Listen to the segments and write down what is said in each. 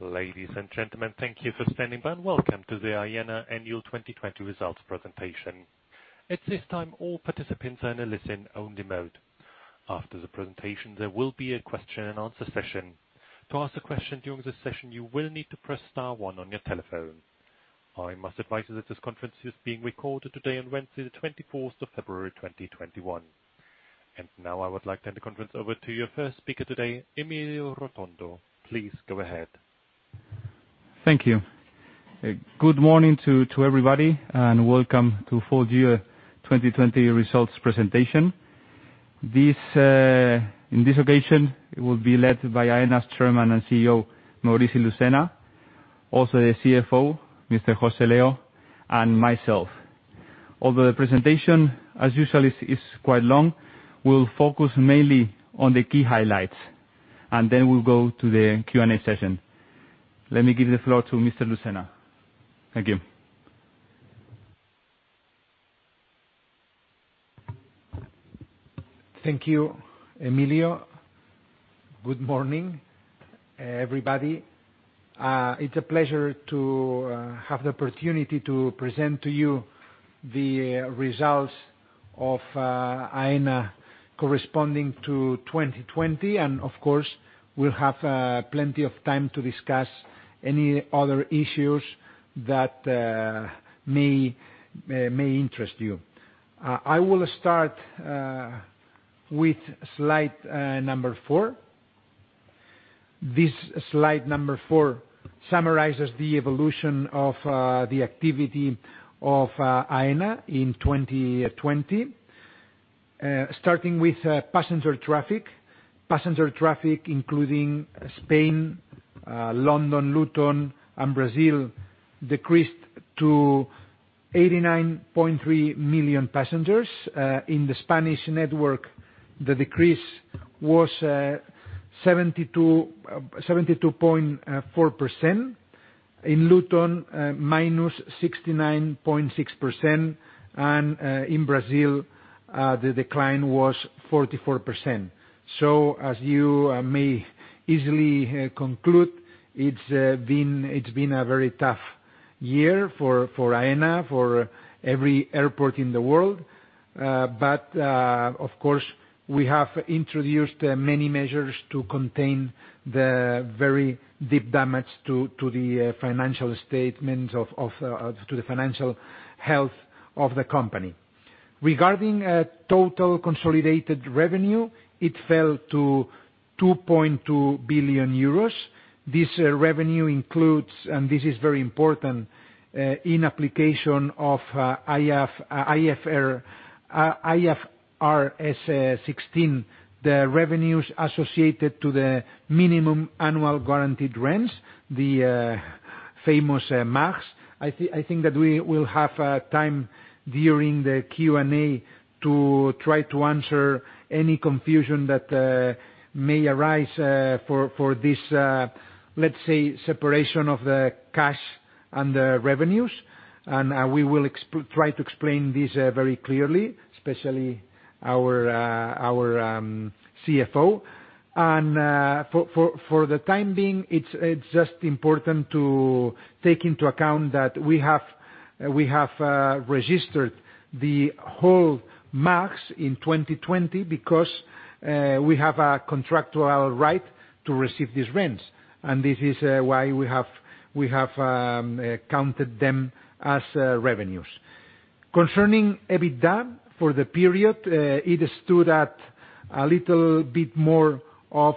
Ladies and gentlemen, thank you for standing by and welcome to the Aena annual 2020 results presentation. At this time, all participants are in a listen-only mode. After the presentation, there will be a question-and-answer session. To ask a question during this session, you will need to press star one on your telephone. I must advise you that this conference is being recorded today on Wednesday, the 24th of February, 2021. Now, I would like to hand the conference over to your first speaker today, Emilio Rotondo. Please go ahead. Thank you. Good morning to everybody and welcome to the full year 2020 results presentation. In this occasion, it will be led by Aena's Chairman and CEO, Maurici Lucena, also the CFO, Mr. José Leo, and myself. Although the presentation, as usual, is quite long, we'll focus mainly on the key highlights, and then we'll go to the Q&A session. Let me give the floor to Mr. Lucena. Thank you. Thank you, Emilio. Good morning, everybody. It's a pleasure to have the opportunity to present to you the results of Aena corresponding to 2020, and of course, we'll have plenty of time to discuss any other issues that may interest you. I will start with slide number four. This slide number four summarizes the evolution of the activity of Aena in 2020, starting with passenger traffic. Passenger traffic, including Spain, London Luton, and Brazil, decreased to 89.3 million passengers. In the Spanish network, the decrease was 72.4%. In Luton, minus 69.6%, and in Brazil, the decline was 44%. So, as you may easily conclude, it's been a very tough year for Aena, for every airport in the world. But, of course, we have introduced many measures to contain the very deep damage to the financial health of the company. Regarding total consolidated revenue, it fell to 2.2 billion euros. This revenue includes, and this is very important, in application of IFRS 16, the revenues associated to the minimum annual guaranteed rent, the famous MAGS. I think that we will have time during the Q&A to try to answer any confusion that may arise for this, let's say, separation of the cash and the revenues. And we will try to explain this very clearly, especially our CFO. And for the time being, it's just important to take into account that we have registered the whole MAGS in 2020 because we have a contractual right to receive these rents. And this is why we have counted them as revenues. Concerning EBITDA for the period, it stood at a little bit more of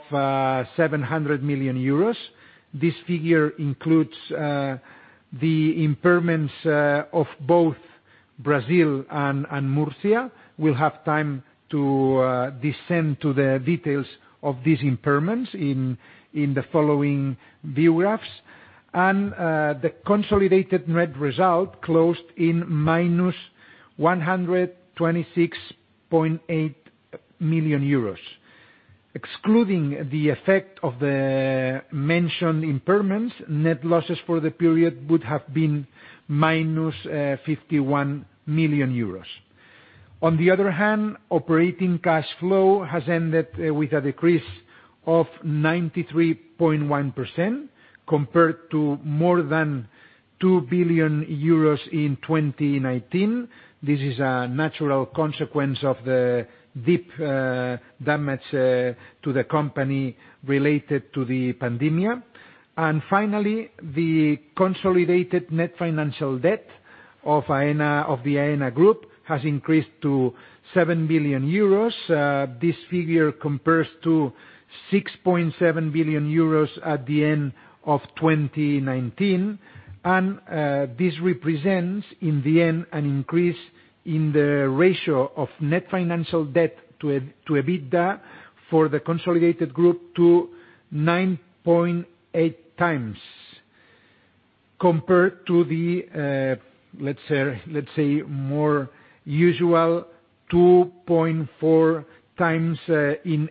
700 million euros. This figure includes the impairments of both Brazil and Murcia. We'll have time to descend to the details of these impairments in the following view graphs. The consolidated net result closed in minus 126.8 million euros. Excluding the effect of the mentioned impairments, net losses for the period would have been minus 51 million euros. On the other hand, operating cash flow has ended with a decrease of 93.1% compared to more than 2 billion euros in 2019. This is a natural consequence of the deep damage to the company related to the pandemic. Finally, the consolidated net financial debt of the Aena Group has increased to 7 billion euros. This figure compares to 6.7 billion euros at the end of 2019. This represents, in the end, an increase in the ratio of net financial debt to EBITDA for the consolidated group to 9.8 times compared to the, let's say, more usual 2.4x in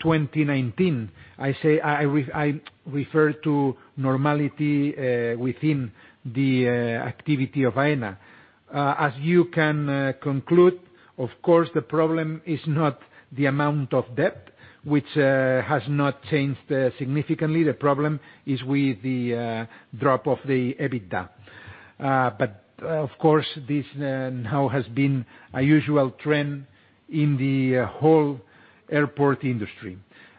2019. I refer to normality within the activity of Aena. As you can conclude, of course, the problem is not the amount of debt, which has not changed significantly. The problem is with the drop of the EBITDA, but of course this now has been a usual trend in the whole airport industry,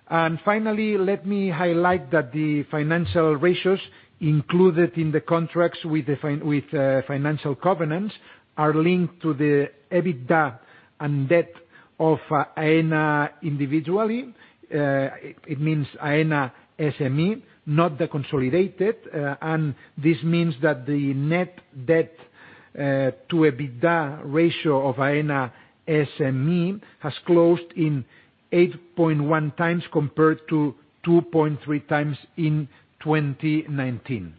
and finally let me highlight that the financial ratios included in the contracts with the financial covenants are linked to the EBITDA and debt of Aena individually. It means Aena SME, not the consolidated, and this means that the net debt to EBITDA ratio of Aena SME has closed in 8.1x compared to 2.3x in 2019.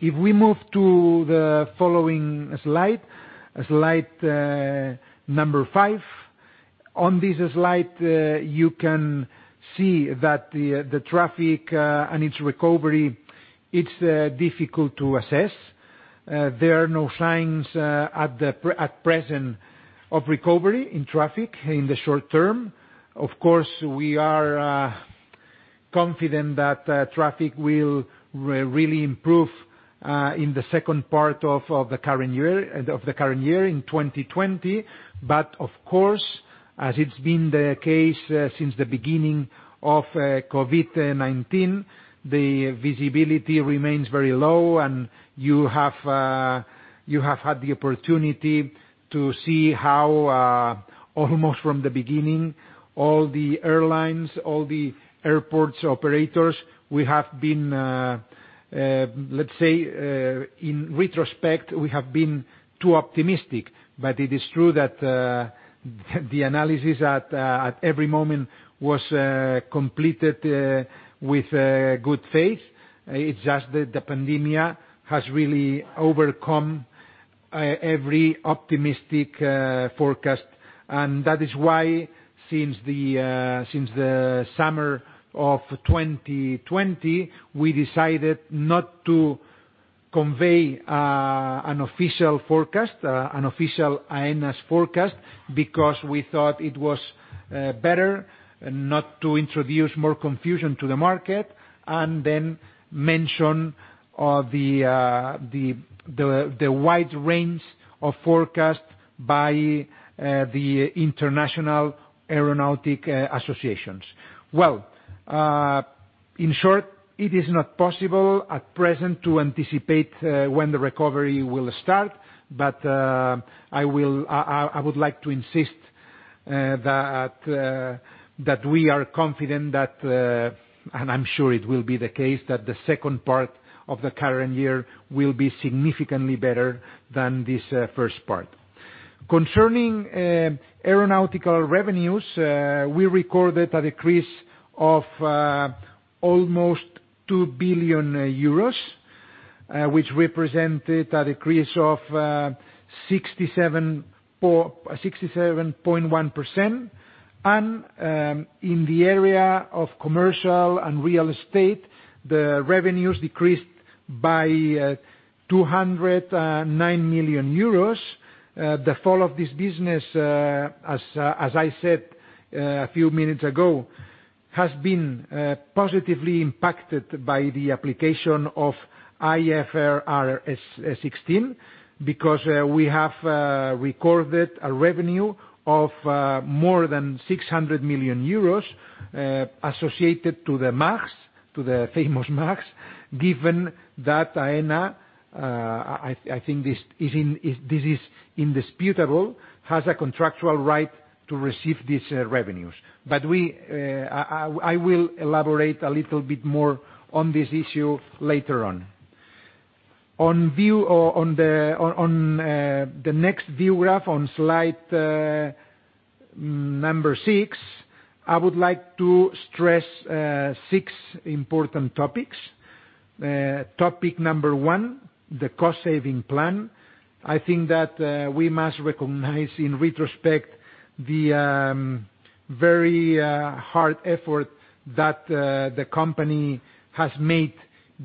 If we move to the following slide, slide number five, on this slide, you can see that the traffic and its recovery. It's difficult to assess. There are no signs at present of recovery in traffic in the short term. Of course, we are confident that traffic will really improve in the second part of the current year in 2020. But, of course, as it's been the case since the beginning of COVID-19, the visibility remains very low. And you have had the opportunity to see how, almost from the beginning, all the airlines, all the airports' operators, we have been, let's say, in retrospect, we have been too optimistic. But it is true that the analysis at every moment was completed with good faith. It's just that the pandemic has really overcome every optimistic forecast. And that is why, since the summer of 2020, we decided not to convey an official forecast, an official Aena's forecast, because we thought it was better not to introduce more confusion to the market and then mention the wide range of forecasts by the International Aeronautic Associations. In short, it is not possible at present to anticipate when the recovery will start. But I would like to insist that we are confident that, and I'm sure it will be the case, that the second part of the current year will be significantly better than this first part. Concerning aeronautical revenues, we recorded a decrease of almost 2 billion euros, which represented a decrease of 67.1%. And in the area of commercial and real estate, the revenues decreased by 209 million euros. The fall of this business, as I said a few minutes ago, has been positively impacted by the application of IFRS 16 because we have recorded a revenue of more than 600 million euros associated to the MAGS, to the famous MAGS, given that Aena, I think this is indisputable, has a contractual right to receive these revenues. But I will elaborate a little bit more on this issue later on. On the next view graph, on slide number six, I would like to stress six important topics. Topic number one, the cost-saving plan. I think that we must recognize in retrospect the very hard effort that the company has made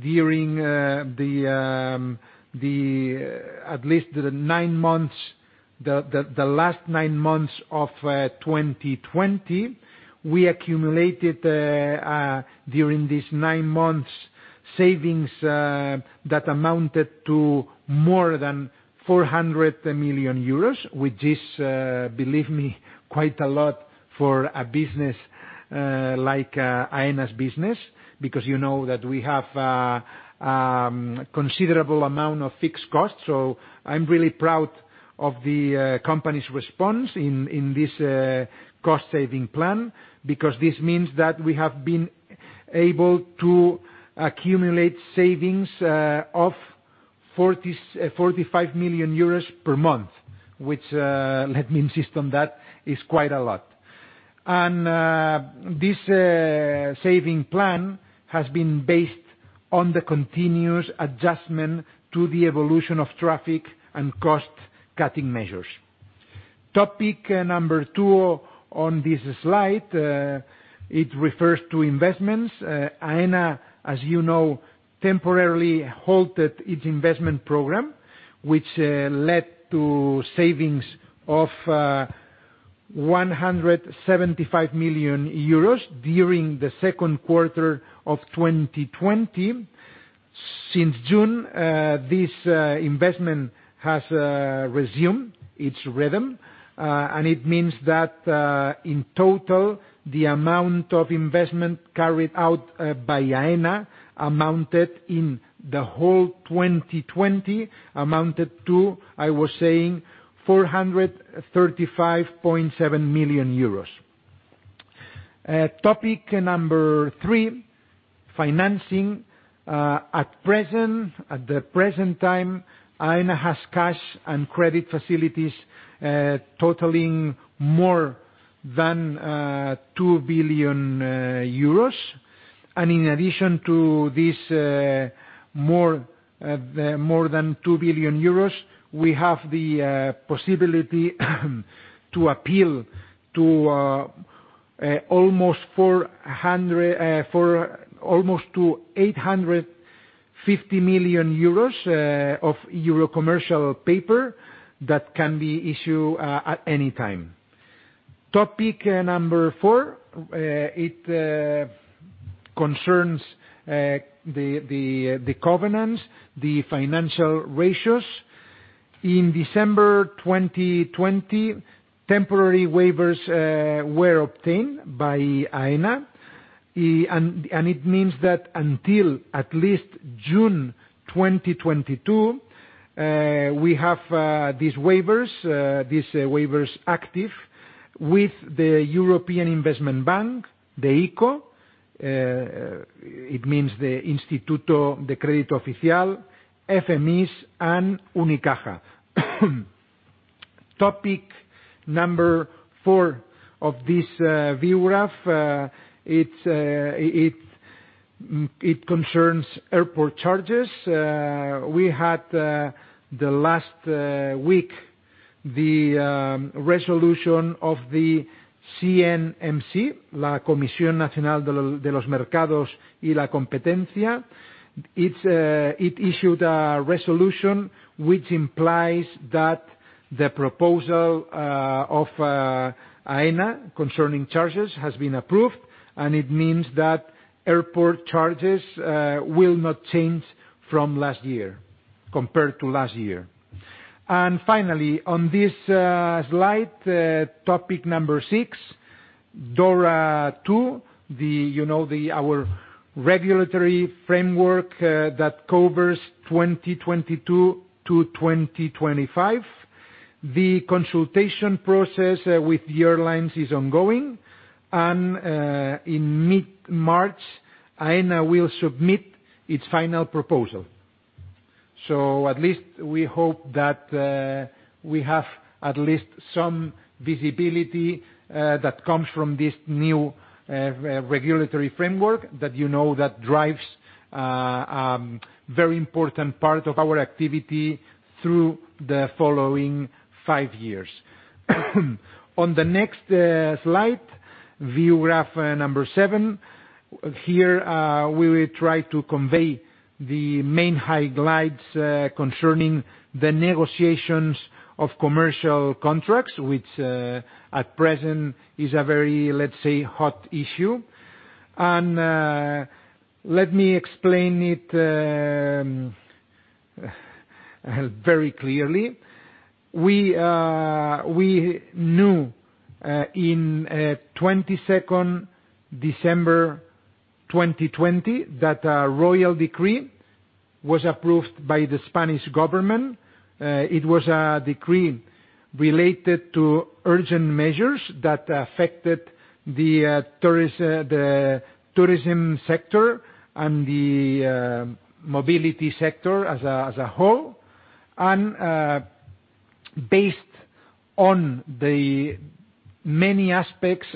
during at least the nine months, the last nine months of 2020. We accumulated during these nine months savings that amounted to more than 400 million euros, which is, believe me, quite a lot for a business like Aena's business because you know that we have a considerable amount of fixed costs, so I'm really proud of the company's response in this cost-saving plan because this means that we have been able to accumulate savings of 45 million euros per month, which, let me insist on that, is quite a lot. And this saving plan has been based on the continuous adjustment to the evolution of traffic and cost-cutting measures. Topic number two on this slide, it refers to investments. Aena, as you know, temporarily halted its investment program, which led to savings of 175 million euros during the second quarter of 2020. Since June, this investment has resumed its rhythm. And it means that, in total, the amount of investment carried out by Aena amounted in the whole 2020, amounted to, I was saying, 435.7 million euros. Topic number three, financing. At the present time, Aena has cash and credit facilities totaling more than 2 billion euros. And in addition to this more than 2 billion euros, we have the possibility to appeal to almost 850 million of Euro Commercial Paper that can be issued at any time. Topic number four, it concerns the covenants, the financial ratios. In December 2020, temporary waivers were obtained by Aena. It means that until at least June 2022, we have these waivers, these waivers active with the European Investment Bank, the ICO, it means the Instituto de Crédito Oficial, FMS, and Unicaja. Topic number four of this view graph, it concerns airport charges. We had the last week the resolution of the CNMC, la Comisión Nacional de los Mercados y la Competencia. It issued a resolution which implies that the proposal of Aena concerning charges has been approved. It means that airport charges will not change from last year compared to last year. Finally, on this slide, topic number six, DORA II, you know our regulatory framework that covers 2022-2025. The consultation process with the airlines is ongoing. In mid-March, Aena will submit its final proposal. So at least we hope that we have at least some visibility that comes from this new regulatory framework that you know that drives a very important part of our activity through the following five years. On the next slide, view graph number seven, here we will try to convey the main highlights concerning the negotiations of commercial contracts, which at present is a very, let's say, hot issue. And let me explain it very clearly. We knew in December 2020 that a royal decree was approved by the Spanish government. It was a decree related to urgent measures that affected the tourism sector and the mobility sector as a whole. And based on the many aspects,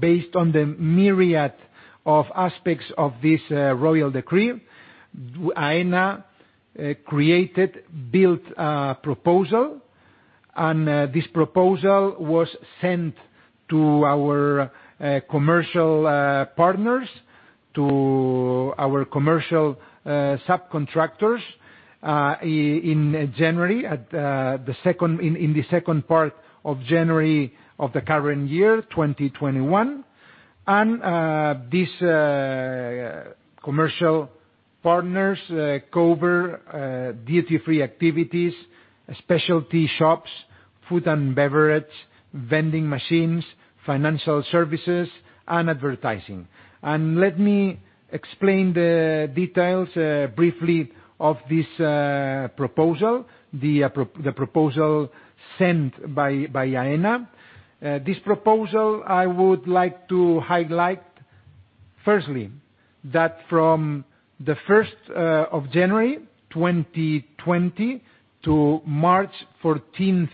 based on the myriad of aspects of this royal decree, Aena created, built a proposal. This proposal was sent to our commercial partners, to our commercial subcontractors in January, in the second part of January of the current year, 2021. These commercial partners cover duty-free activities, specialty shops, food and beverage, vending machines, financial services, and advertising. Let me explain the details briefly of this proposal, the proposal sent by Aena. This proposal, I would like to highlight firstly that from the 1st of January, 2020, to March 14th,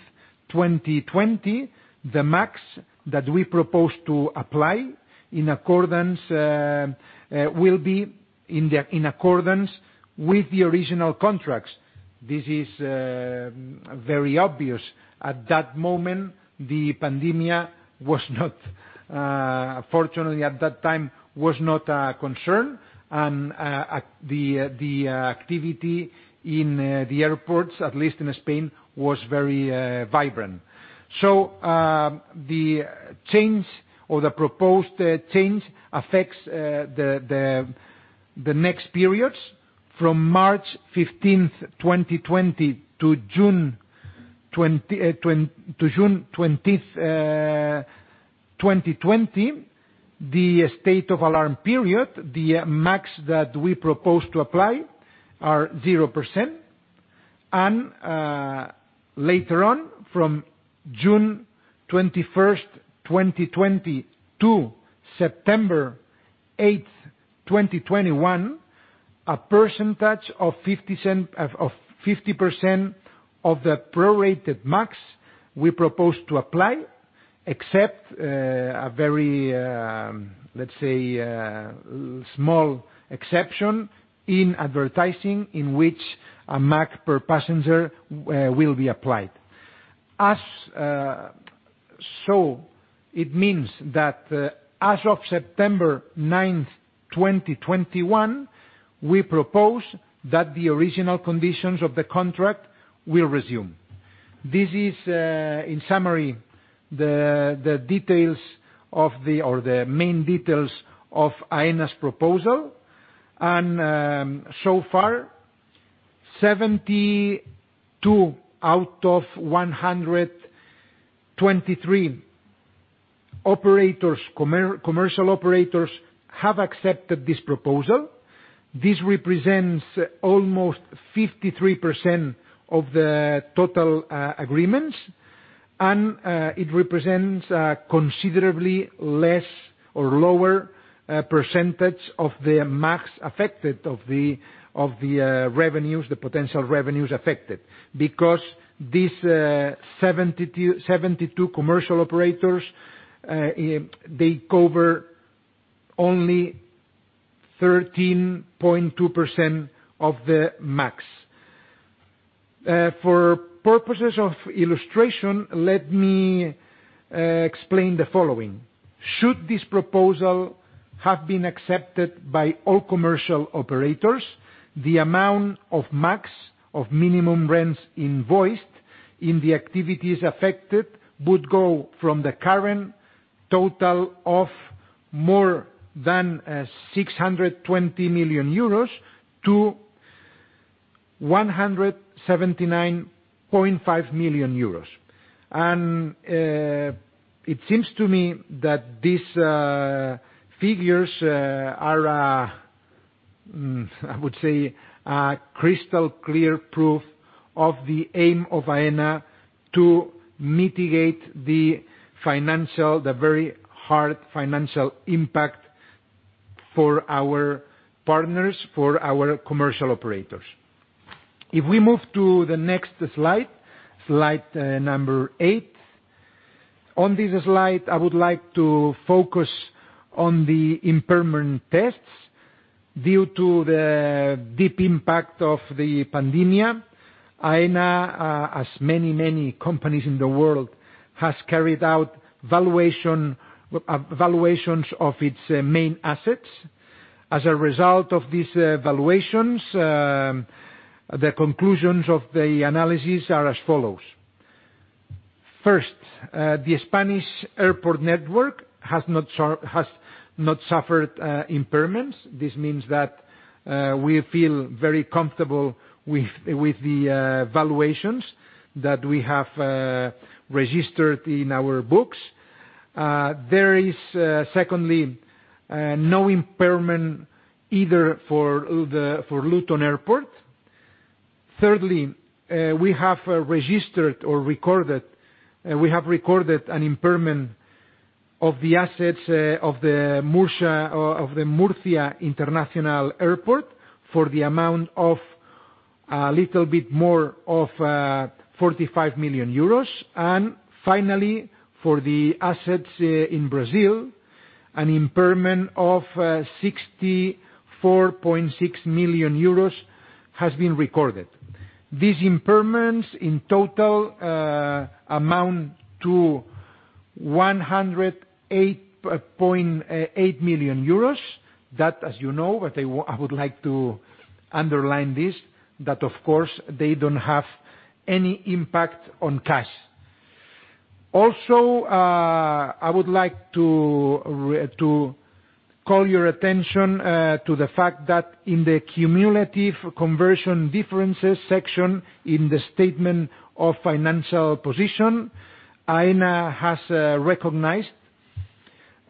2020, the MAGs that we proposed to apply in accordance will be in accordance with the original contracts. This is very obvious. At that moment, the pandemic, fortunately, at that time, was not a concern. The activity in the airports, at least in Spain, was very vibrant. The change or the proposed change affects the next periods from March 15th, 2020, to June 20th, 2020. The state of alarm period, the MAGS that we proposed to apply are 0%. And later on, from June 21st, 2020, to September 8th, 2021, a percentage of 50% of the prorated MAGS we proposed to apply, except a very, let's say, small exception in advertising in which a MAG per passenger will be applied. So it means that as of September 9th, 2021, we propose that the original conditions of the contract will resume. This is, in summary, the details of the or the main details of Aena's proposal. And so far, 72/123 commercial operators have accepted this proposal. This represents almost 53% of the total agreements. And it represents a considerably less or lower percentage of the MAGS affected of the revenues, the potential revenues affected, because these 72 commercial operators, they cover only 13.2% of the MAGS. For purposes of illustration, let me explain the following. Should this proposal have been accepted by all commercial operators, the amount of MAGS of minimum rents invoiced in the activities affected would go from the current total of more than EUR 620 million-EUR 179.5 million. And it seems to me that these figures are, I would say, a crystal clear proof of the aim of Aena to mitigate the financial, the very hard financial impact for our partners, for our commercial operators. If we move to the next slide, slide number eight, on this slide, I would like to focus on the impairment tests due to the deep impact of the pandemic. Aena, as many, many companies in the world, has carried out valuations of its main assets. As a result of these valuations, the conclusions of the analysis are as follows. First, the Spanish airport network has not suffered impairments. This means that we feel very comfortable with the valuations that we have registered in our books. There is, secondly, no impairment either for Luton Airport. Thirdly, we have registered or recorded, we have recorded an impairment of the assets of the Murcia International Airport for the amount of a little bit more of 45 million euros. And finally, for the assets in Brazil, an impairment of 64.6 million euros has been recorded. These impairments in total amount to 108.8 million euros. That, as you know, but I would like to underline this, that, of course, they don't have any impact on cash. Also, I would like to call your attention to the fact that in the cumulative conversion differences section in the statement of financial position, Aena has recognized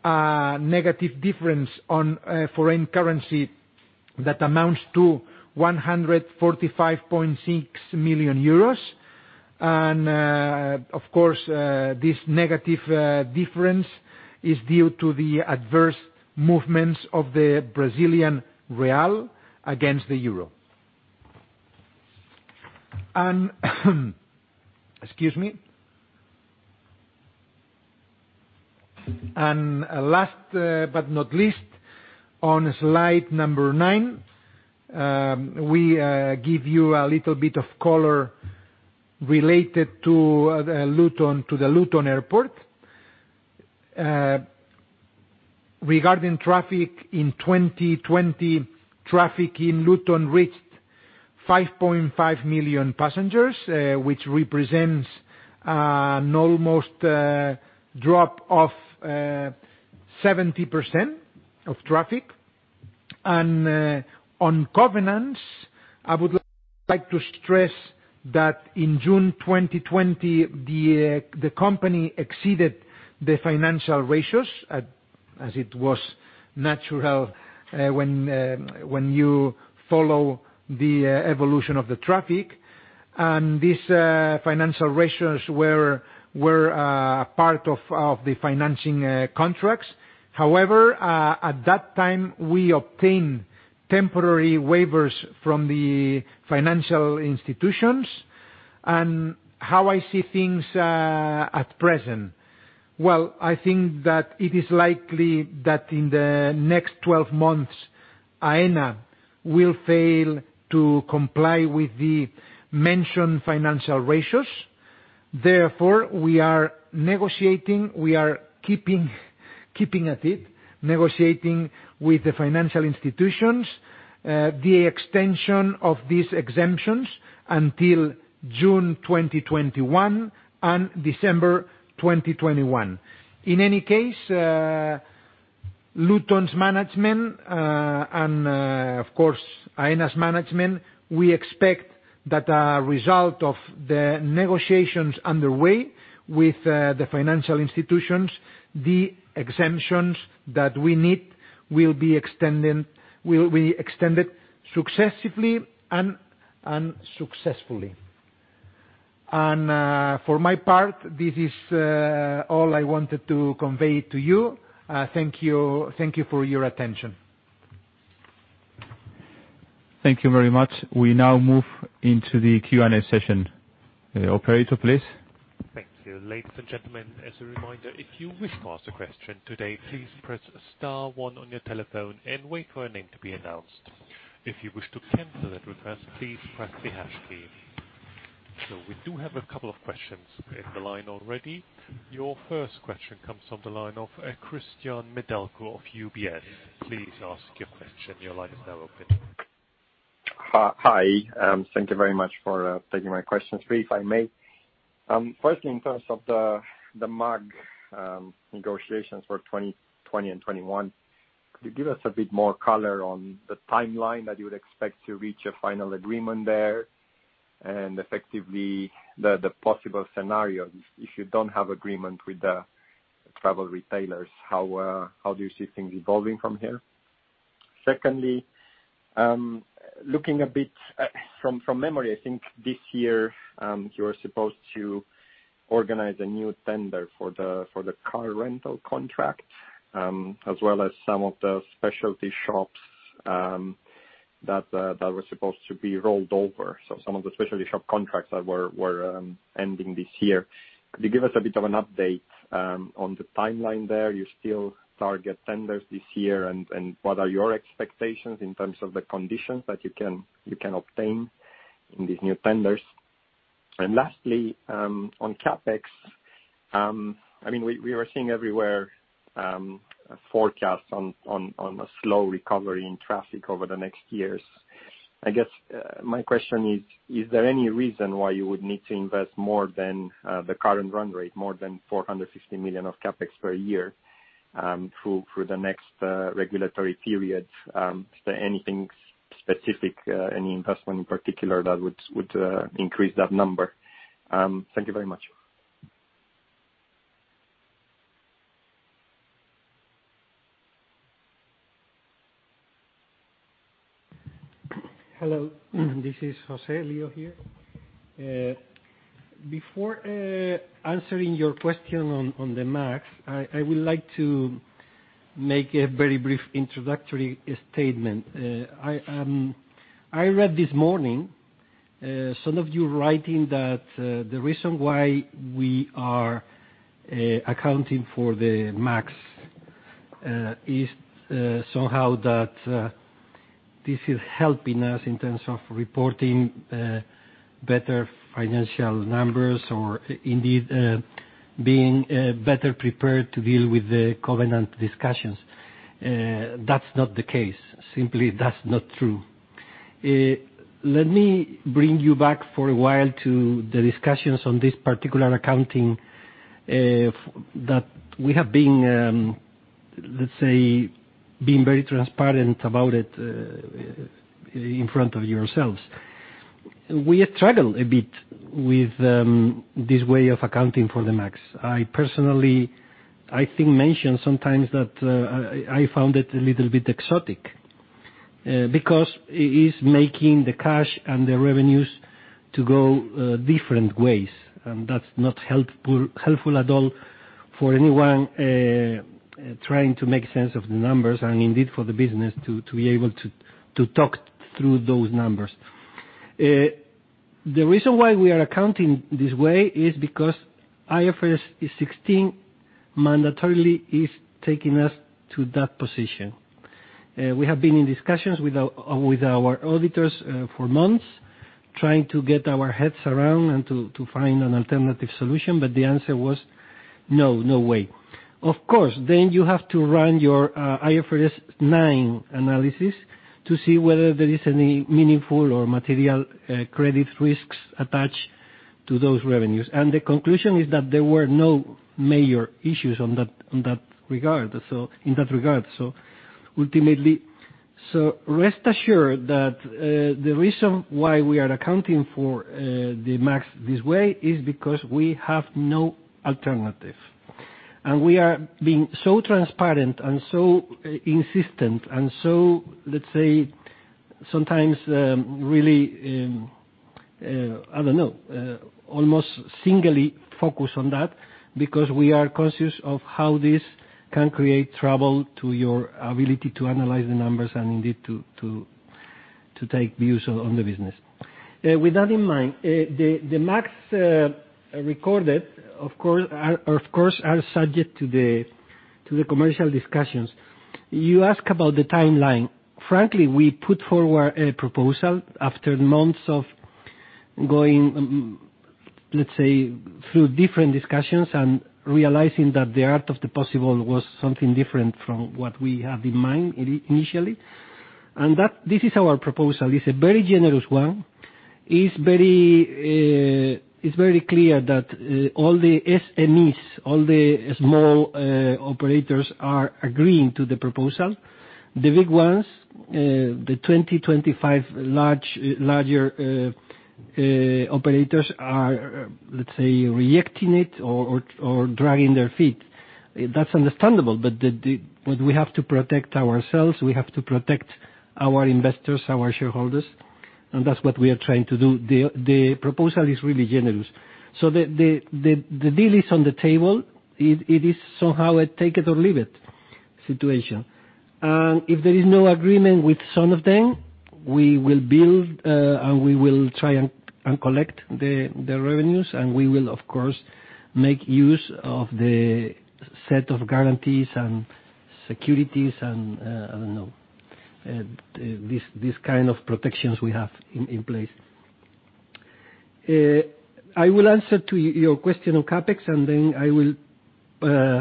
a negative difference on foreign currency that amounts to 145.6 million euros. And, of course, this negative difference is due to the adverse movements of the Brazilian real against the euro. And, excuse me. And last but not least, on slide number nine, we give you a little bit of color related to the Luton Airport. Regarding traffic in 2020, traffic in Luton reached 5.5 million passengers, which represents an almost drop of 70% of traffic. And on covenants, I would like to stress that in June 2020, the company exceeded the financial ratios, as it was natural when you follow the evolution of the traffic. And these financial ratios were a part of the financing contracts. However, at that time, we obtained temporary waivers from the financial institutions. And how I see things at present? Well, I think that it is likely that in the next 12 months, Aena will fail to comply with the mentioned financial ratios. Therefore, we are negotiating, we are keeping at it, negotiating with the financial institutions the extension of these exemptions until June 2021 and December 2021. In any case, Luton's management and, of course, Aena's management, we expect that as a result of the negotiations underway with the financial institutions, the exemptions that we need will be extended successively and successfully. And for my part, this is all I wanted to convey to you. Thank you for your attention. Thank you very much. We now move into the Q&A session. Operator, please. Thank you. Ladies and gentlemen, as a reminder, if you wish to ask a question today, please press star one on your telephone and wait for a name to be announced. If you wish to cancel that request, please press the hash key. So we do have a couple of questions in the line already. Your first question comes from the line of Cristian Nedelcu of UBS. Please ask your question. Your line is now open. Hi. Thank you very much for taking my questions. Firstly, in terms of the MAG negotiations for 2020 and 2021, could you give us a bit more color on the timeline that you would expect to reach a final agreement there and effectively the possible scenario if you don't have agreement with the travel retailers? How do you see things evolving from here? Secondly, looking a bit from memory, I think this year you were supposed to organize a new tender for the car rental contract, as well as some of the specialty shops that were supposed to be rolled over. So some of the specialty shop contracts that were ending this year. Could you give us a bit of an update on the timeline there? You still target tenders this year, and what are your expectations in terms of the conditions that you can obtain in these new tenders? And lastly, on CAPEX, I mean, we were seeing everywhere forecasts on a slow recovery in traffic over the next years. I guess my question is, is there any reason why you would need to invest more than the current run rate, more than 450 million of CAPEX per year through the next regulatory period? Is there anything specific, any investment in particular that would increase that number? Thank you very much. Hello. This is José Leo here. Before answering your question on the MAGS, I would like to make a very brief introductory statement. I read this morning some of you writing that the reason why we are accounting for the MAGS is somehow that this is helping us in terms of reporting better financial numbers or indeed being better prepared to deal with the covenant discussions. That's not the case. Simply, that's not true. Let me bring you back for a while to the discussions on this particular accounting that we have been, let's say, being very transparent about it in front of yourselves. We struggle a bit with this way of accounting for the MAGS. I personally, I think, mentioned sometimes that I found it a little bit exotic because it is making the cash and the revenues to go different ways. And that's not helpful at all for anyone trying to make sense of the numbers and indeed for the business to be able to talk through those numbers. The reason why we are accounting this way is because IFRS 16 mandatorily is taking us to that position. We have been in discussions with our auditors for months trying to get our heads around and to find an alternative solution, but the answer was no, no way. Of course, then you have to run your IFRS 9 analysis to see whether there is any meaningful or material credit risks attached to those revenues. And the conclusion is that there were no major issues in that regard. Ultimately, rest assured that the reason why we are accounting for the MAGS this way is because we have no alternative, and we are being so transparent and so insistent and so, let's say, sometimes really, I don't know, almost singly focused on that because we are conscious of how this can create trouble to your ability to analyze the numbers and indeed to take views on the business. With that in mind, the MAGS recorded, of course, are subject to the commercial discussions. You ask about the timeline. Frankly, we put forward a proposal after months of going, let's say, through different discussions and realizing that the art of the possible was something different from what we had in mind initially, and this is our proposal. It's a very generous one. It's very clear that all the SMEs, all the small operators are agreeing to the proposal. The big ones, the 2025 larger operators are, let's say, rejecting it or dragging their feet. That's understandable, but we have to protect ourselves. We have to protect our investors, our shareholders, and that's what we are trying to do. The proposal is really generous, so the deal is on the table. It is somehow a take it or leave it situation, and if there is no agreement with some of them, we will build and we will try and collect the revenues, and we will, of course, make use of the set of guarantees and securities and, I don't know, this kind of protections we have in place. I will answer to your question on CAPEX, and then I will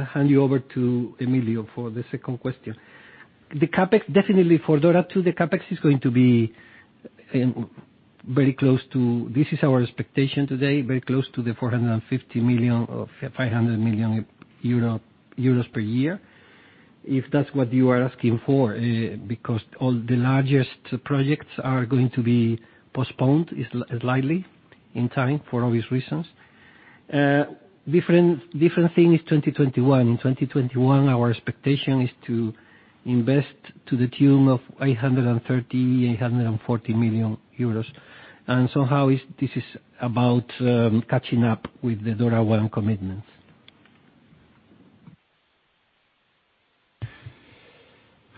hand you over to Emilio for the second question. The CapEx, definitely for DORA II, the CapEx is going to be very close to this is our expectation today, very close to the 450 million or 500 million euro per year, if that's what you are asking for, because the largest projects are going to be postponed slightly in time for obvious reasons. Different thing is 2021. In 2021, our expectation is to invest to the tune of 830-840 million euros. And somehow this is about catching up with the DORA II commitments.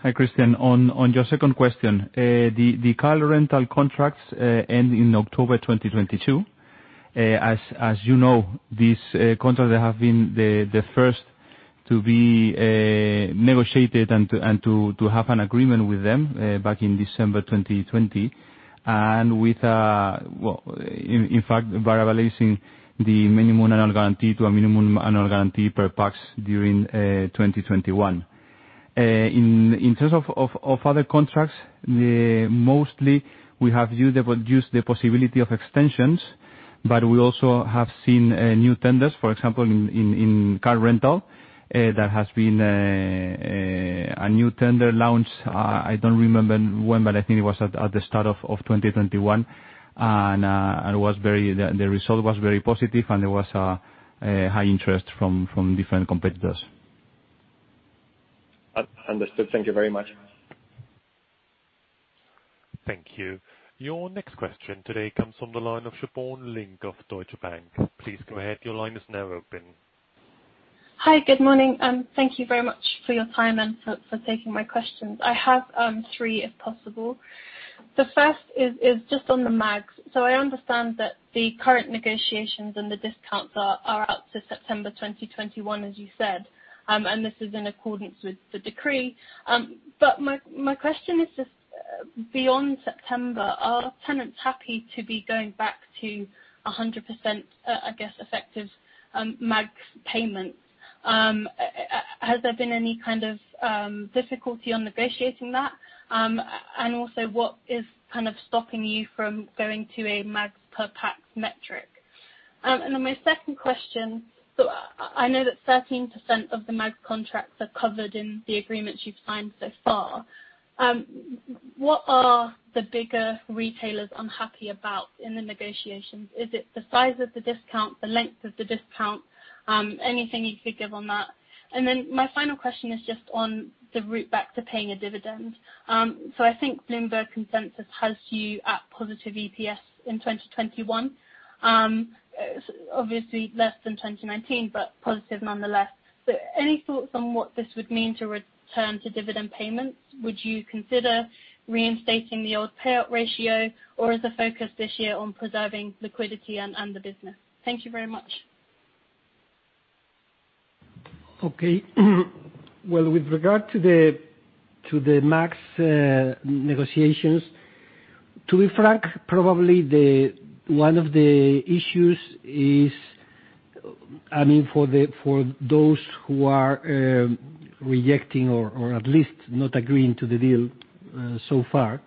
Hi, Cristian. On your second question, the car rental contracts end in October 2022. As you know, these contracts have been the first to be negotiated and to have an agreement with them back in December 2020, and with, in fact, variabilizing the minimum annual guarantee to a minimum annual guarantee per pax during 2021. In terms of other contracts, mostly we have used the possibility of extensions, but we also have seen new tenders, for example, in car rental. There has been a new tender launched. I don't remember when, but I think it was at the start of 2021, and the result was very positive, and there was high interest from different competitors. Understood. Thank you very much. Thank you. Your next question today comes from the line of Siobhan Lynch of Deutsche Bank. Please go ahead. Your line is now open. Hi, good morning. Thank you very much for your time and for taking my questions. I have three, if possible. The first is just on the MAGS. So I understand that the current negotiations and the discounts are out to September 2021, as you said, and this is in accordance with the decree. But my question is just, beyond September, are tenants happy to be going back to 100%, I guess, effective MAGS payments? Has there been any kind of difficulty on negotiating that? And also, what is kind of stopping you from going to a MAGS per pax metric? And then my second question, so I know that 13% of the MAGS contracts are covered in the agreements you've signed so far. What are the bigger retailers unhappy about in the negotiations? Is it the size of the discount, the length of the discount, anything you could give on that? And then my final question is just on the route back to paying a dividend. So I think Bloomberg Consensus has you at positive EPS in 2021, obviously less than 2019, but positive nonetheless. So any thoughts on what this would mean to return to dividend payments? Would you consider reinstating the old payout ratio, or is the focus this year on preserving liquidity and the business? Thank you very much. Okay. Well, with regard to the MAGS negotiations, to be frank, probably one of the issues is, I mean, for those who are rejecting or at least not agreeing to the deal so far,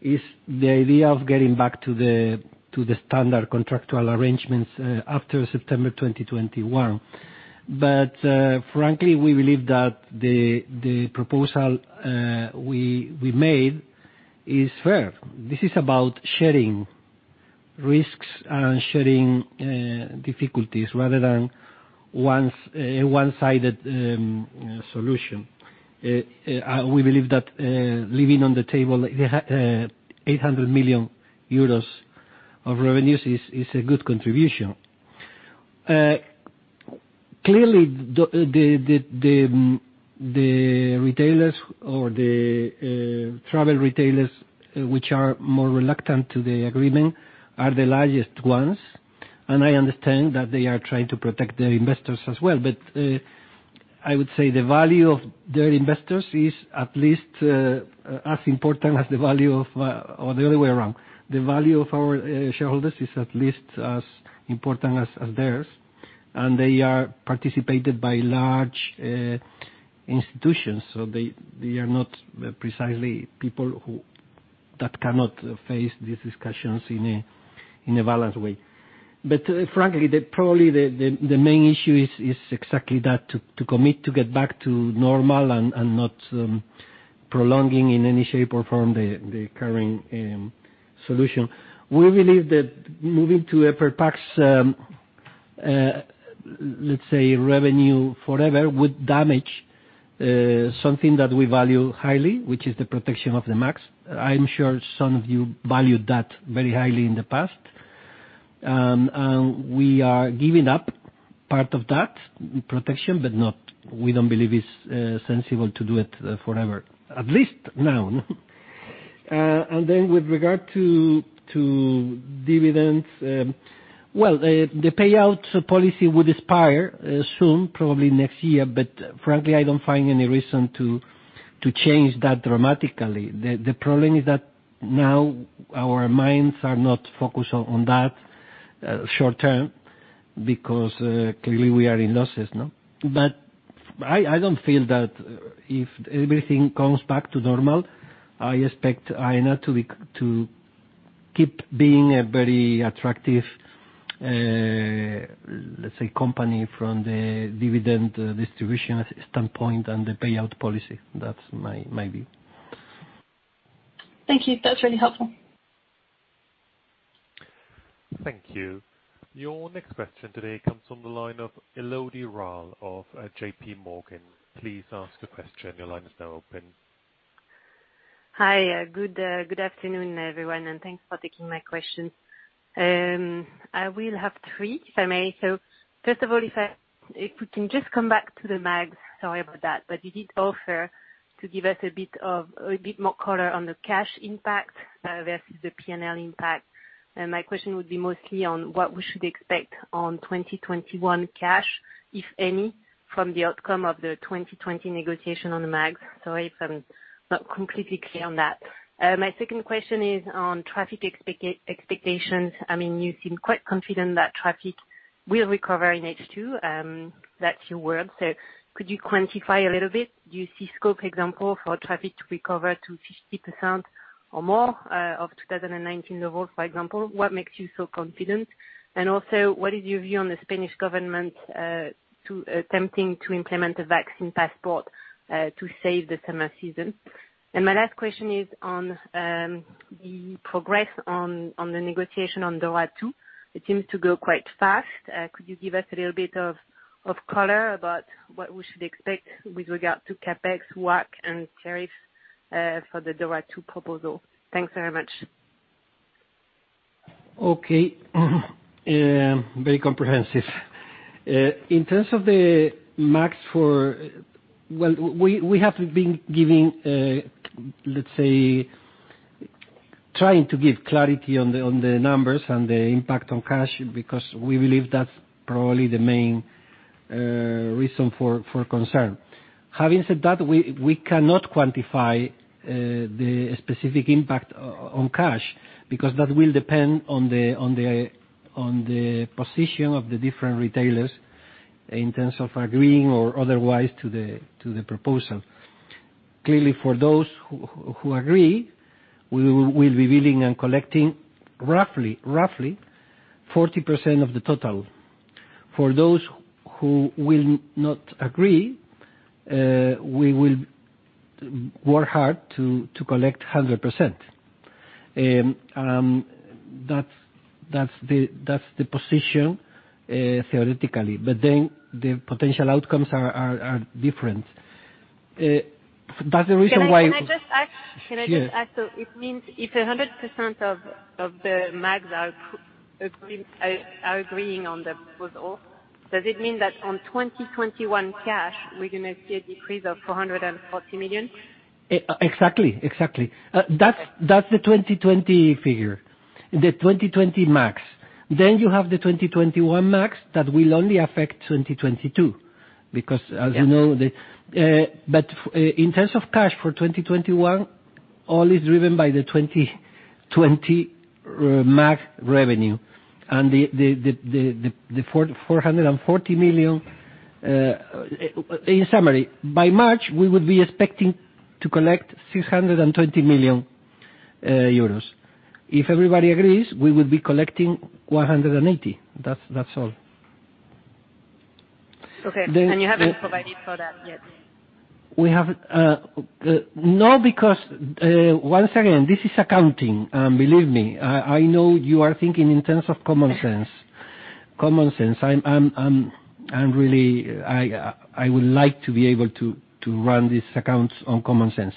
is the idea of getting back to the standard contractual arrangements after September 2021. But frankly, we believe that the proposal we made is fair. This is about sharing risks and sharing difficulties rather than a one-sided solution. We believe that leaving on the table 800 million euros of revenues is a good contribution. Clearly, the retailers or the travel retailers, which are more reluctant to the agreement, are the largest ones. And I understand that they are trying to protect their investors as well. But I would say the value of their investors is at least as important as the value of, or the other way around, the value of our shareholders is at least as important as theirs. And they are participated by large institutions. So they are not precisely people that cannot face these discussions in a balanced way. But frankly, probably the main issue is exactly that, to commit to get back to normal and not prolonging in any shape or form the current solution. We believe that moving to a per pax, let's say, revenue forever would damage something that we value highly, which is the protection of the MAGS. I'm sure some of you valued that very highly in the past. And we are giving up part of that protection, but we don't believe it's sensible to do it forever, at least now. Then with regard to dividends, well, the payout policy would expire soon, probably next year. Frankly, I don't find any reason to change that dramatically. The problem is that now our minds are not focused on that short term because clearly we are in losses. I don't feel that if everything comes back to normal, I expect Aena to keep being a very attractive, let's say, company from the dividend distribution standpoint and the payout policy. That's my view. Thank you. That's really helpful. Thank you. Your next question today comes from the line of Elodie Rall of JPMorgan. Please ask a question. Your line is now open. Hi. Good afternoon, everyone, and thanks for taking my questions. I will hav three, if I may. So first of all, if I can just come back to the MAGS, sorry about that, but did it offer to give us a bit more color on the cash impact versus the P&L impact? And my question would be mostly on what we should expect on 2021 cash, if any, from the outcome of the 2020 negotiation on the MAGS. Sorry if I'm not completely clear on that. My second question is on traffic expectations. I mean, you seem quite confident that traffic will recover in H2. That's your word. So could you quantify a little bit? Do you see scope, for example, for traffic to recover to 50% or more of 2019 levels, for example? What makes you so confident? And also, what is your view on the Spanish government attempting to implement a vaccine passport to save the summer season? My last question is on the progress on the negotiation on DORA II. It seems to go quite fast. Could you give us a little bit of color about what we should expect with regard to CAPEX, WACC, and tariffs for the DORA II proposal? Thanks very much. Okay. Very comprehensive. In terms of the MAGS for, well, we have been giving, let's say, trying to give clarity on the numbers and the impact on cash because we believe that's probably the main reason for concern. Having said that, we cannot quantify the specific impact on cash because that will depend on the position of the different retailers in terms of agreeing or otherwise to the proposal. Clearly, for those who agree, we will be billing and collecting roughly 40% of the total. For those who will not agree, we will work hard to collect 100%. That's the position theoretically, but then the potential outcomes are different. That's the reason why. Can I just ask? Can I just ask? So it means if 100% of the MAGS are agreeing on the proposal, does it mean that on 2021 cash, we're going to see a decrease of 440 million? Exactly. Exactly. That's the 2020 figure, the 2020 MAGS. Then you have the 2021 MAGS that will only affect 2022 because, as you know, the. But in terms of cash for 2021, all is driven by the 2020 MAGS revenue. And the 440 million, in summary, by March, we would be expecting to collect 620 million euros. If everybody agrees, we would be collecting 180 million. That's all. Okay. And you haven't provided for that yet? We have. No, because once again, this is accounting. And believe me, I know you are thinking in terms of common sense. Common sense. I'm really, I would like to be able to run these accounts on common sense.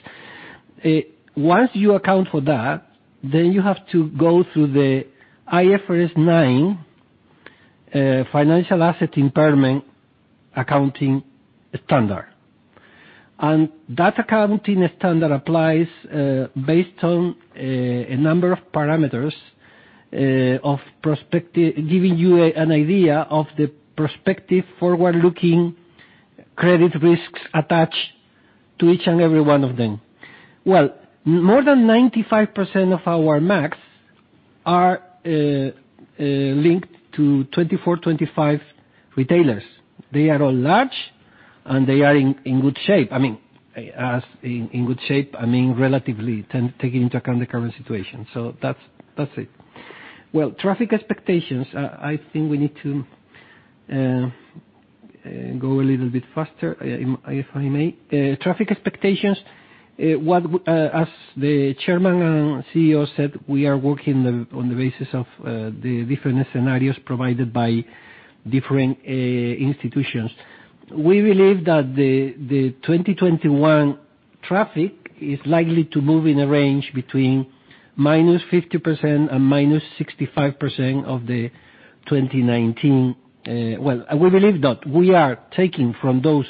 Once you account for that, then you have to go through the IFRS 9 Financial Asset Impairment Accounting Standard and that accounting standard applies based on a number of parameters of giving you an idea of the prospective forward-looking credit risks attached to each and every one of them, well, more than 95% of our MAGS are linked to 24, 25 retailers. They are all large, and they are in good shape. I mean, as in good shape, I mean relatively taking into account the current situation, so that's it, well, traffic expectations, I think we need to go a little bit faster, if I may. Traffic expectations, as the Chairman and CEO said, we are working on the basis of the different scenarios provided by different institutions. We believe that the 2021 traffic is likely to move in a range between minus 50% and minus 65% of the 2019. Well, we believe that we are taking from those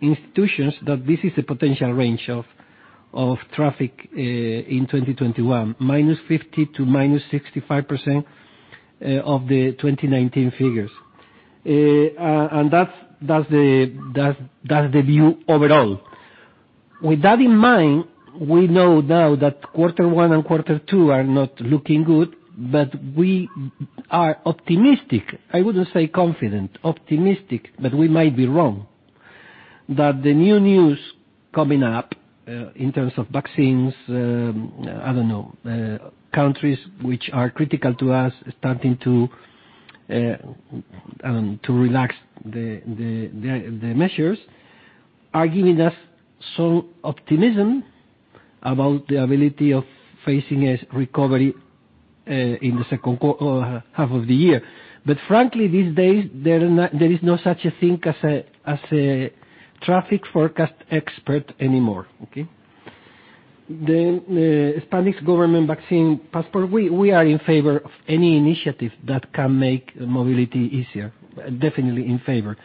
institutions that this is the potential range of traffic in 2021, -50% to -65% of the 2019 figures. And that's the view overall. With that in mind, we know now that quarter one and quarter two are not looking good, but we are optimistic. I wouldn't say confident, optimistic, but we might be wrong that the new news coming up in terms of vaccines, I don't know, countries which are critical to us starting to relax the measures are giving us some optimism about the ability of facing a recovery in the second half of the year. But frankly, these days, there is no such a thing as a traffic forecast expert anymore. Okay? Then the Spanish government vaccine passport, we are in favor of any initiative that can make mobility easier, definitely in favor,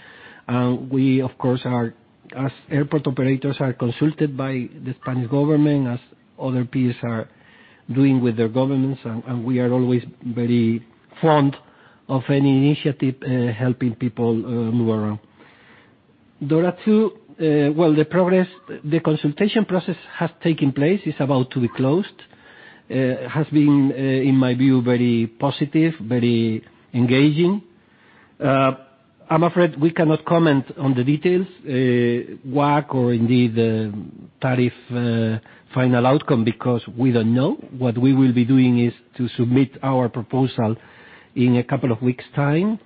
and we, of course, as airport operators, are consulted by the Spanish government, as other peers are doing with their governments, and we are always very fond of any initiative helping people move around. DORA II, well, the consultation process has taken place, is about to be closed, has been, in my view, very positive, very engaging. I'm afraid we cannot comment on the details, WACC, or indeed the tariff final outcome because we don't know. What we will be doing is to submit our proposal in a couple of weeks' time,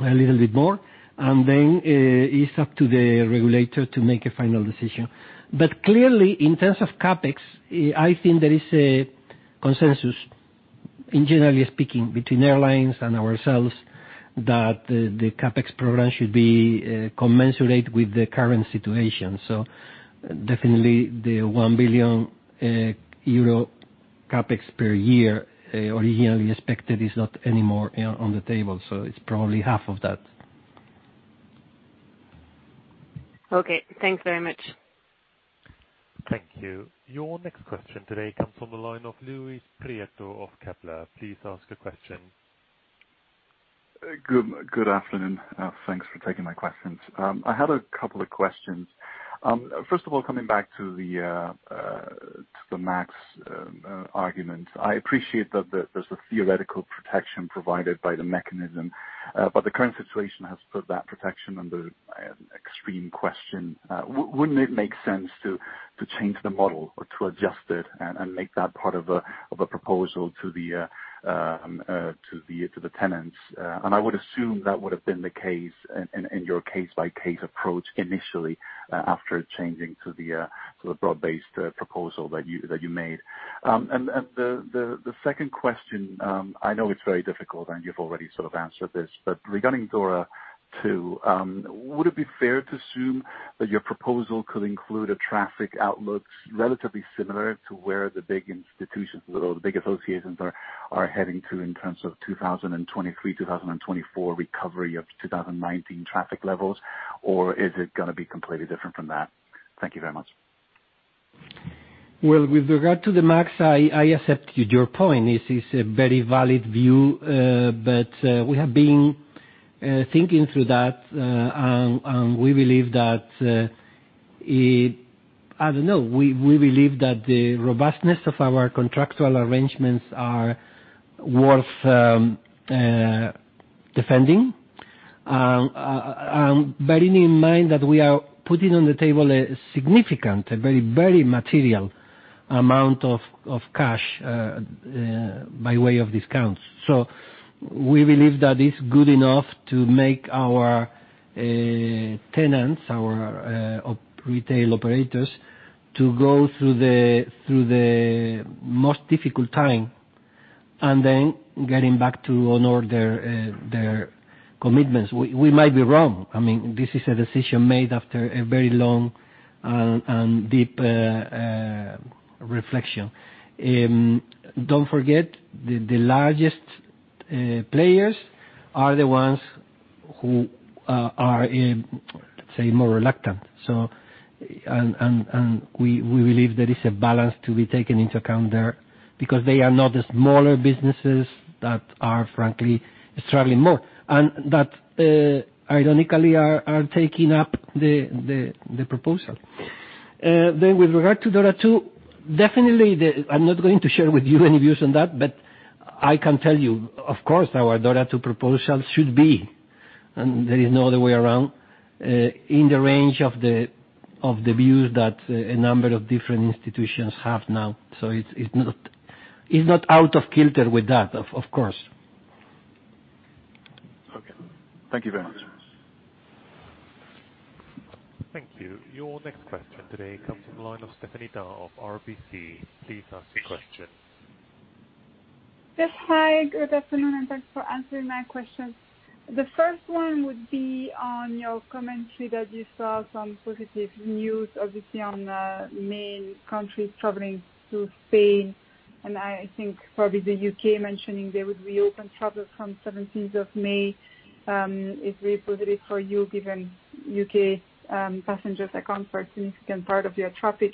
a little bit more, and then it's up to the regulator to make a final decision. But clearly, in terms of CAPEX, I think there is a consensus, generally speaking, between airlines and ourselves that the CAPEX program should be commensurate with the current situation. So definitely, the 1 billion euro CAPEX per year originally expected is not anymore on the table. So it's probably EUR 500 million. Okay. Thanks very much. Thank you. Your next question today comes from the line of Luis Prieto of Kepler. Please ask a question. Good afternoon. Thanks for taking my questions. I had a couple of questions. First of all, coming back to the MAGS argument, I appreciate that there's a theoretical protection provided by the mechanism, but the current situation has put that protection under extreme question. Wouldn't it make sense to change the model or to adjust it and make that part of a proposal to the tenants? I would assume that would have been the case in your case-by-case approach initially after changing to the broad-based proposal that you made. The second question, I know it's very difficult, and you've already sort of answered this, but regarding DORA II, would it be fair to assume that your proposal could include a traffic outlook relatively similar to where the big institutions or the big associations are heading to in terms of 2023, 2024 recovery of 2019 traffic levels, or is it going to be completely different from that? Thank you very much. With regard to the MAGS, I accept your point. This is a very valid view, but we have been thinking through that. We believe that, I don't know, we believe that the robustness of our contractual arrangements are worth defending. And bearing in mind that we are putting on the table a significant, a very material amount of cash by way of discounts. So we believe that it's good enough to make our tenants, our retail operators, to go through the most difficult time and then getting back to honor their commitments. We might be wrong. I mean, this is a decision made after a very long and deep reflection. Don't forget, the largest players are the ones who are, let's say, more reluctant. And we believe there is a balance to be taken into account there because they are not the smaller businesses that are, frankly, struggling more and that ironically are taking up the proposal. Then, with regard to DORA II, definitely, I'm not going to share with you any views on that, but I can tell you, of course, our DORA II proposal should be, and there is no other way around, in the range of the views that a number of different institutions have now. So it's not out of kilter with that, of course. Okay. Thank you very much. Thank you. Your next question today comes from the line of Stephanie D'Ath of RBC. Please ask your question. Yes. Hi. Good afternoon, and thanks for answering my questions. The first one would be on your commentary that you saw some positive news, obviously, on main countries traveling to Spain. And I think probably the U.K. mentioning they would reopen travel from 17th of May is very positive for you given U.K. passengers account for a significant part of your traffic.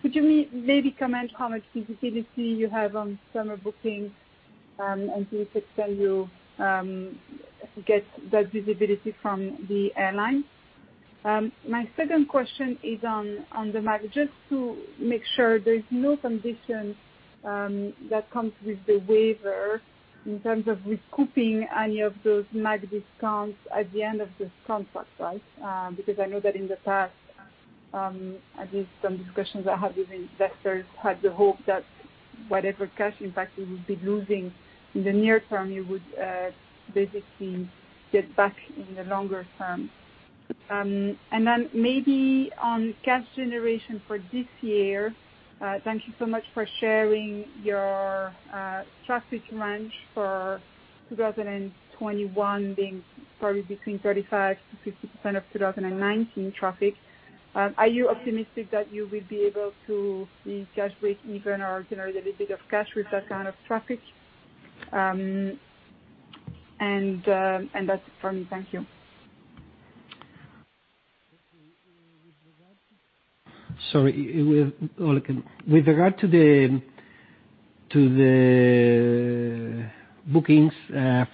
Could you maybe comment how much visibility you have on summer bookings and to which extent you get that visibility from the airlines? My second question is on the MAGS, just to make sure there's no condition that comes with the waiver in terms of recouping any of those MAG discounts at the end of this contract, right? Because I know that in the past, at least some discussions I had with investors had the hope that whatever cash impact you would be losing in the near term, you would basically get back in the longer term. And then maybe on cash generation for this year, thank you so much for sharing your traffic range for 2021 being probably between 35%-50% of 2019 traffic. Are you optimistic that you will be able to be cash break even or generate a little bit of cash with that kind of traffic? And that's it from me. Thank you. Sorry. With regard to the bookings,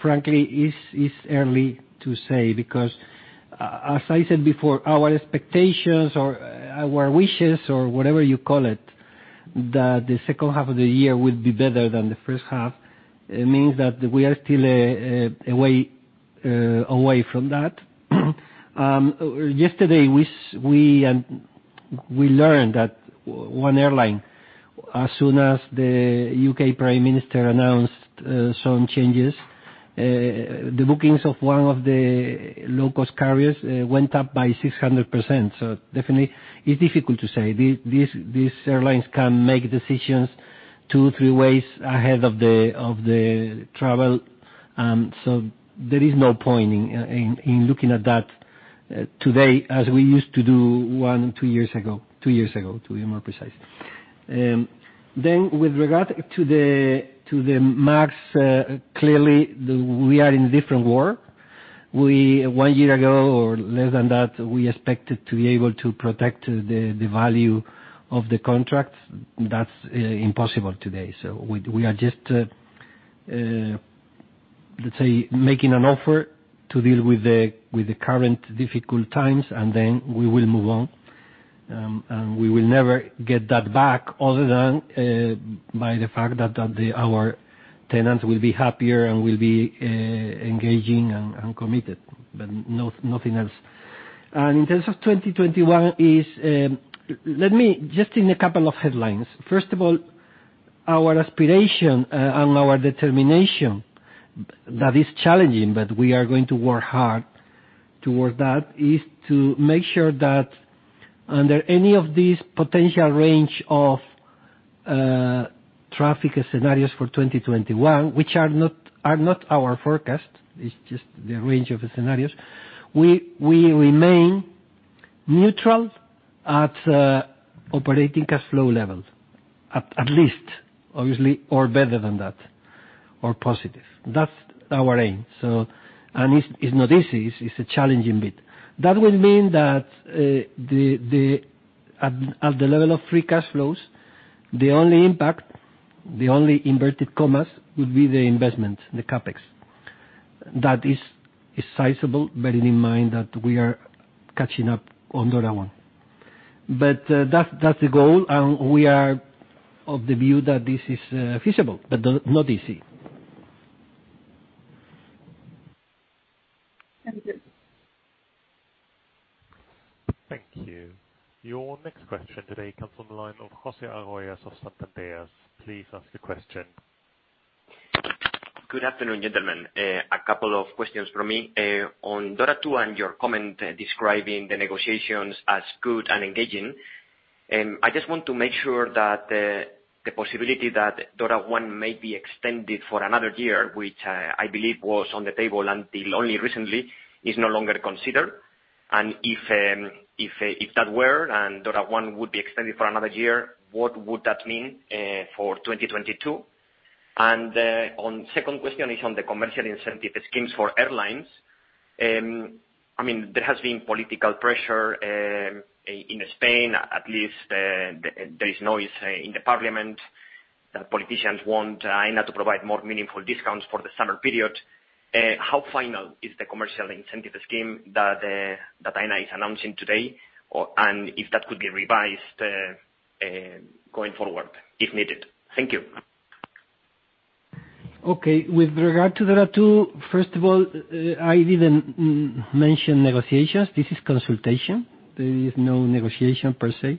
frankly, it's early to say because, as I said before, our expectations or our wishes or whatever you call it, that the second half of the year would be better than the first half, it means that we are still a way away from that. Yesterday, we learned that one airline, as soon as the U.K. Prime Minister announced some changes, the bookings of one of the low-cost carriers went up by 600%. So definitely, it's difficult to say. These airlines can make decisions two, three weeks ahead of the travel. So there is no point in looking at that today as we used to do one, two years ago, two years ago, to be more precise. Then with regard to the MAGs, clearly, we are in a different world. One year ago or less than that, we expected to be able to protect the value of the contract. That's impossible today. So we are just, let's say, making an effort to deal with the current difficult times, and then we will move on. And we will never get that back other than by the fact that our tenants will be happier and will be engaging and committed, but nothing else. And in terms of 2021, let me just in a couple of headlines. First of all, our aspiration and our determination that is challenging, but we are going to work hard towards that, is to make sure that under any of these potential range of traffic scenarios for 2021, which are not our forecast, it's just the range of scenarios, we remain neutral at operating cash flow level, at least, obviously, or better than that, or positive. That's our aim. And it's not easy. It's a challenging bit. That would mean that at the level of free cash flows, the only impact, the only inverted commas, would be the investment, the CAPEX. That is sizable, bearing in mind that we are catching up on DORA I. But that's the goal, and we are of the view that this is feasible, but not easy. Thank you. Thank you. Your next question today comes from the line of José Arroyas of Santander. Please ask your question. Good afternoon, gentlemen. A couple of questions from me. On DORA II and your comment describing the negotiations as good and engaging, I just want to make sure that the possibility that DORA I may be extended for another year, which I believe was on the table until only recently, is no longer considered. And if that were and DORA I would be extended for another year, what would that mean for 2022? And on second question, it's on the commercial incentive schemes for airlines. I mean, there has been political pressure in Spain. At least there is noise in the parliament that politicians want Aena to provide more meaningful discounts for the summer period. How final is the commercial incentive scheme that Aena is announcing today, and if that could be revised going forward if needed? Thank you. Okay. With regard to DORA II, first of all, I didn't mention negotiations. This is consultation. There is no negotiation per se.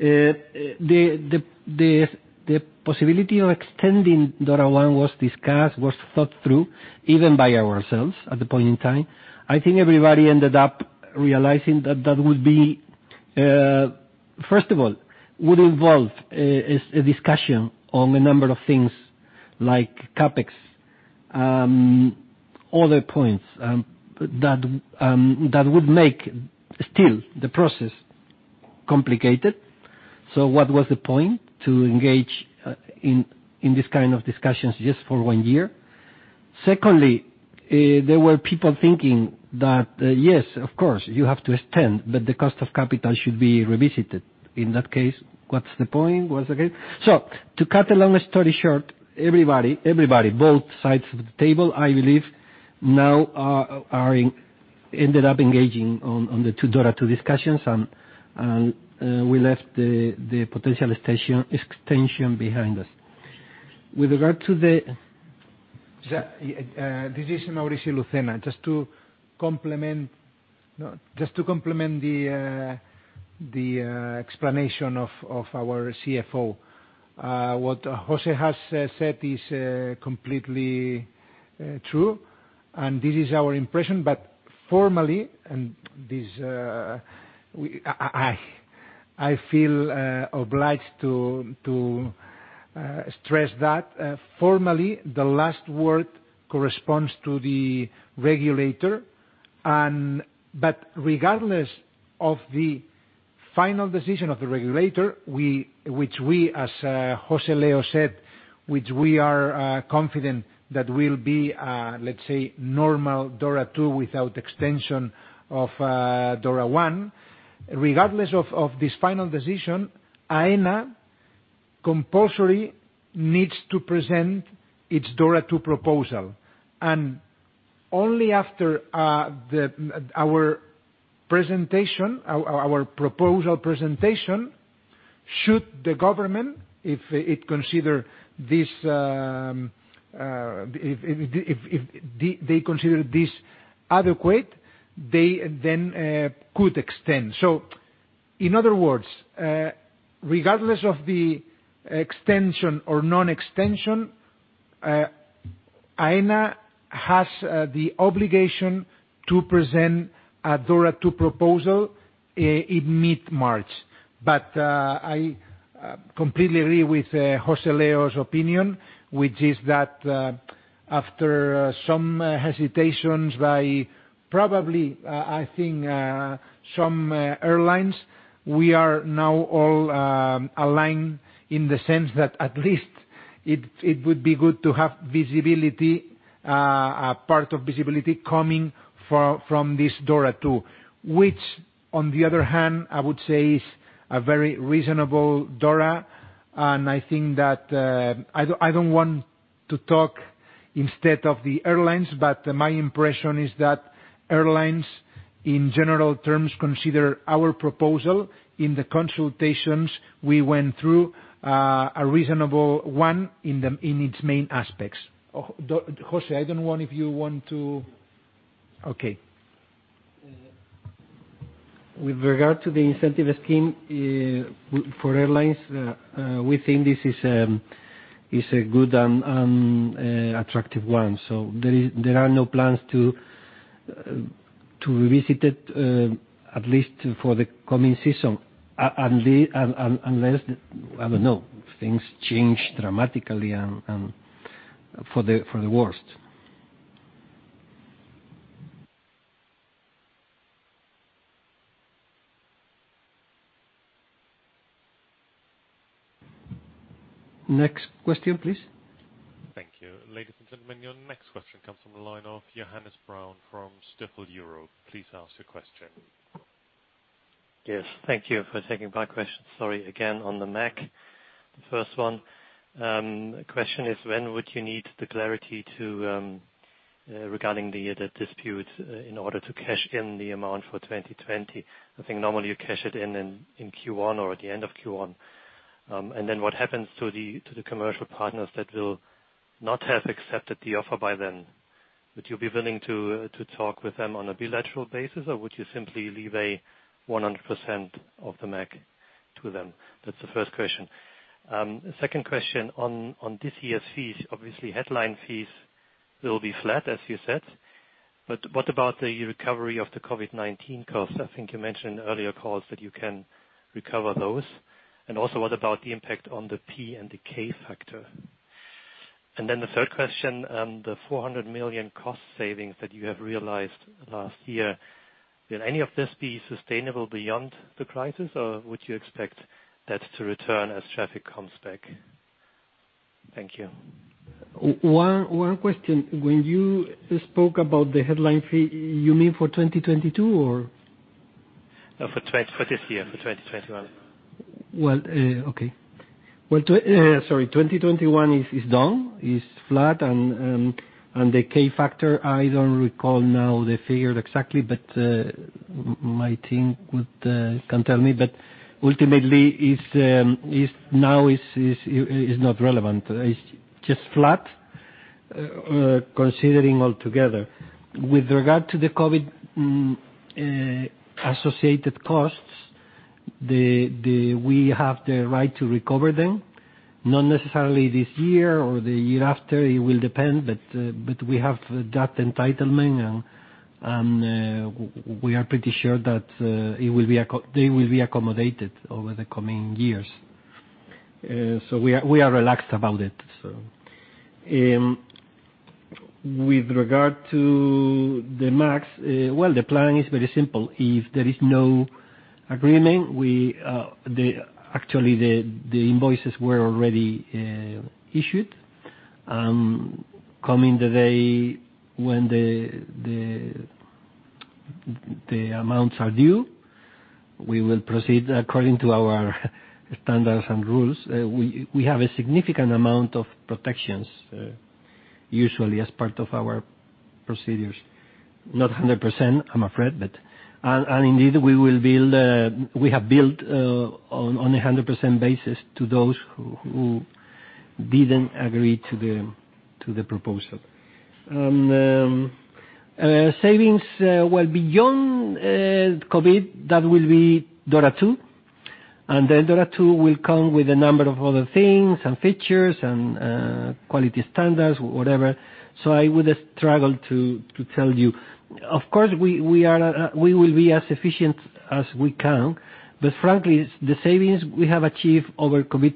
The possibility of extending DORA I was discussed, was thought through, even by ourselves at the point in time. I think everybody ended up realizing that that would be, first of all, would involve a discussion on a number of things like CAPEX, other points that would make still the process complicated. So what was the point to engage in this kind of discussions just for one year? Secondly, there were people thinking that, yes, of course, you have to extend, but the cost of capital should be revisited. In that case, what's the point? What's the case? So to cut a long story short, everybody, both sides of the table, I believe, now ended up engaging on the DORA II discussions, and we left the potential extension behind us. This is Maurici Lucena. Just to complement the explanation of our CFO, what José has said is completely true, and this is our impression. But formally, and I feel obliged to stress that, formally, the last word corresponds to the regulator. But regardless of the final decision of the regulator, which we, as José Leo said, which we are confident that will be, let's say, normal DORA II without extension of DORA 1, regardless of this final decision, Aena compulsory needs to present its DORA II proposal. And only after our proposal presentation, should the government, if it consider this adequate, they then could extend. In other words, regardless of the extension or non-extension, Aena has the obligation to present a DORA II proposal in mid-March. But I completely agree with José Leo's opinion, which is that after some hesitations by probably, I think, some airlines, we are now all aligned in the sense that at least it would be good to have part of visibility coming from this DORA II, which, on the other hand, I would say is a very reasonable DORA. And I think that I don't want to talk instead of the airlines, but my impression is that airlines, in general terms, consider our proposal in the consultations we went through a reasonable one in its main aspects. José, I don't know if you want to. Okay. With regard to the incentive scheme for airlines, we think this is a good and attractive one. So there are no plans to revisit it, at least for the coming season, unless, I don't know, things change dramatically for the worst. Next question, please. Thank you. Ladies and gentlemen, your next question comes from the line of Johannes Braun from Stifel Europe. Please ask your question. Yes. Thank you for taking my question. Sorry. Again, on the MAG, the first one, the question is, when would you need the clarity regarding the dispute in order to cash in the amount for 2020? I think normally you cash it in in Q1 or at the end of Q1. And then what happens to the commercial partners that will not have accepted the offer by then? Would you be willing to talk with them on a bilateral basis, or would you simply leave a 100% of the MAG to them? That's the first question. Second question, on this year's fees, obviously, headline fees will be flat, as you said. But what about the recovery of the COVID-19 costs? I think you mentioned in earlier calls that you can recover those. And also, what about the impact on the P and the K factor? And then the third question, the 400 million cost savings that you have realized last year, will any of this be sustainable beyond the crisis, or would you expect that to return as traffic comes back? Thank you. One question. When you spoke about the headline fee, you mean for 2022 or? For this year, for 2021. Well, okay. Well, sorry, 2021 is done. It's flat. And the K factor, I don't recall now the figure exactly, but my team can tell me. But ultimately, now it's not relevant. It's just flat considering altogether. With regard to the COVID-associated costs, we have the right to recover them, not necessarily this year or the year after. It will depend, but we have that entitlement, and we are pretty sure that they will be accommodated over the coming years. So we are relaxed about it, so. With regard to the MAGS, well, the plan is very simple. If there is no agreement, actually, the invoices were already issued. Coming the day when the amounts are due, we will proceed according to our standards and rules. We have a significant amount of protections, usually as part of our procedures. Not 100%, I'm afraid, but. And indeed, we have built on a 100% basis to those who didn't agree to the proposal. Savings, well, beyond COVID, that will be DORA II. And then DORA II will come with a number of other things and features and quality standards, whatever. So I would struggle to tell you. Of course, we will be as efficient as we can, but frankly, the savings we have achieved over the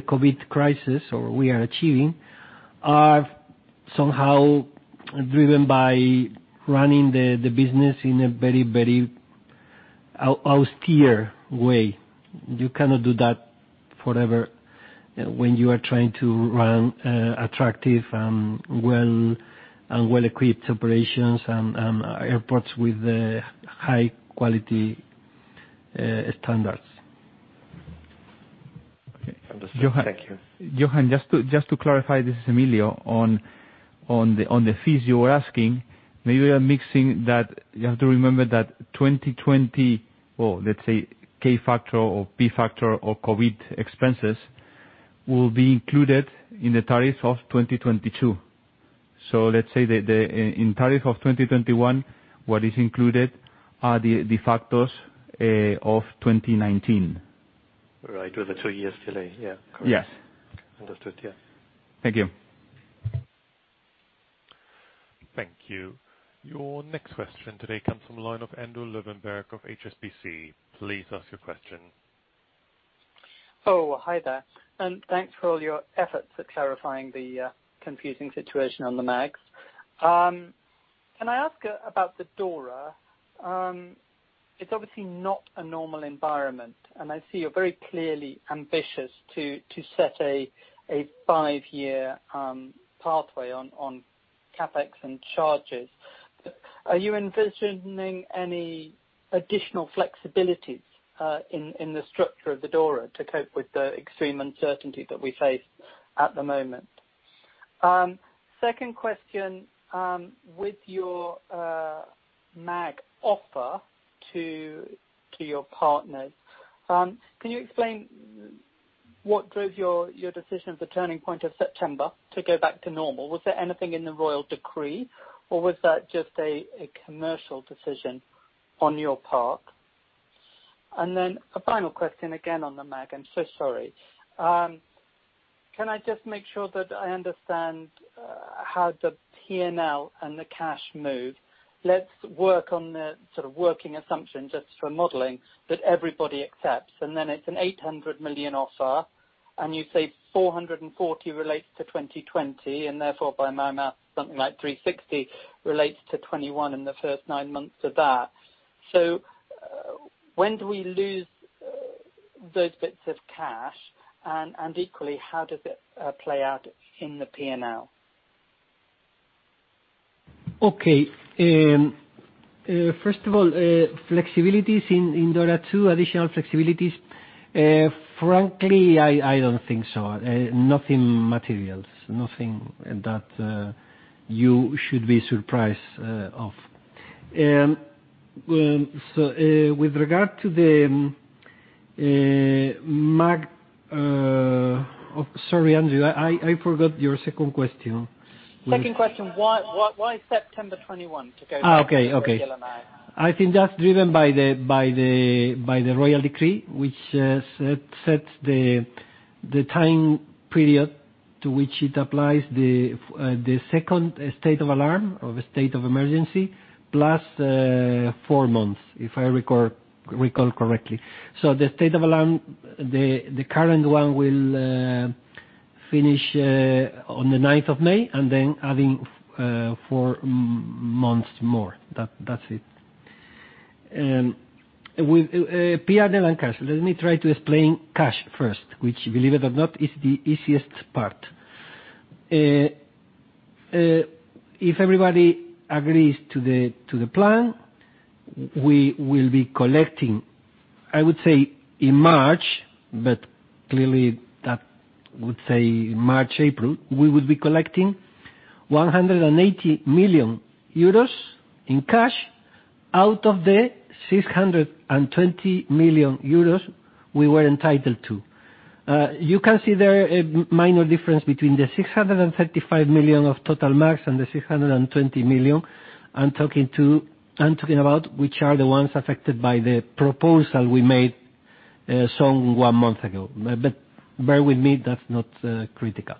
COVID crisis, or we are achieving, are somehow driven by running the business in a very, very austere way. You cannot do that forever when you are trying to run attractive and well-equipped operations and airports with high-quality standards. Okay. Johannes. Thank you. Johannes, just to clarify, this is Emilio. On the fees you were asking, maybe we are mixing that. You have to remember that 2020, well, let's say K Factor or P Factor or COVID expenses will be included in the tariffs of 2022. So let's say in tariffs of 2021, what is included are the factors of 2019. Right. With a two-year delay. Yeah. Correct. Yes. Understood. Yeah. Thank you. Thank you. Your next question today comes from the line of Andrew Lobbenberg of HSBC. Please ask your question. Oh, hi there. And thanks for all your efforts at clarifying the confusing situation on the MAGS. Can I ask about the DORA? It's obviously not a normal environment, and I see you're very clearly ambitious to set a five-year pathway on CAPEX and charges. Are you envisioning any additional flexibilities in the structure of the DORA to cope with the extreme uncertainty that we face at the moment? Second question, with your MAG offer to your partners, can you explain what drove your decision of the turning point of September to go back to normal? Was there anything in the Royal Decree, or was that just a commercial decision on your part? And then a final question again on the MAG. I'm so sorry. Can I just make sure that I understand how the P&L and the cash move? Let's work on the sort of working assumption just for modeling that everybody accepts. And then it's an 800 million offer, and you say 440 million relates to 2020, and therefore, by my math, something like 360 million relates to 2021 in the first nine months of that. So when do we lose those bits of cash? And equally, how does it play out in the P&L? Okay. First of all, flexibilities in DORA II, additional flexibilities? Frankly, I don't think so. Nothing material. Nothing that you should be surprised of. So with regard to the MAG, sorry, Andrew. I forgot your second question. Second question. Why September 2021 to go back to 2021? I think that's driven by the Royal Decree, which sets the time period to which it applies the second state of alarm or the state of emergency, plus four months, if I recall correctly. So the state of alarm, the current one will finish on the 9th of May, and then adding four months more. That's it. P&L and cash. Let me try to explain cash first, which, believe it or not, is the easiest part. If everybody agrees to the plan, we will be collecting, I would say, in March, but clearly, that would say March, April, we would be collecting 180 million euros in cash out of the 620 million euros we were entitled to. You can see there a minor difference between the 635 million of total MAGS and the 620 million I'm talking about, which are the ones affected by the proposal we made some one month ago, but bear with me, that's not critical,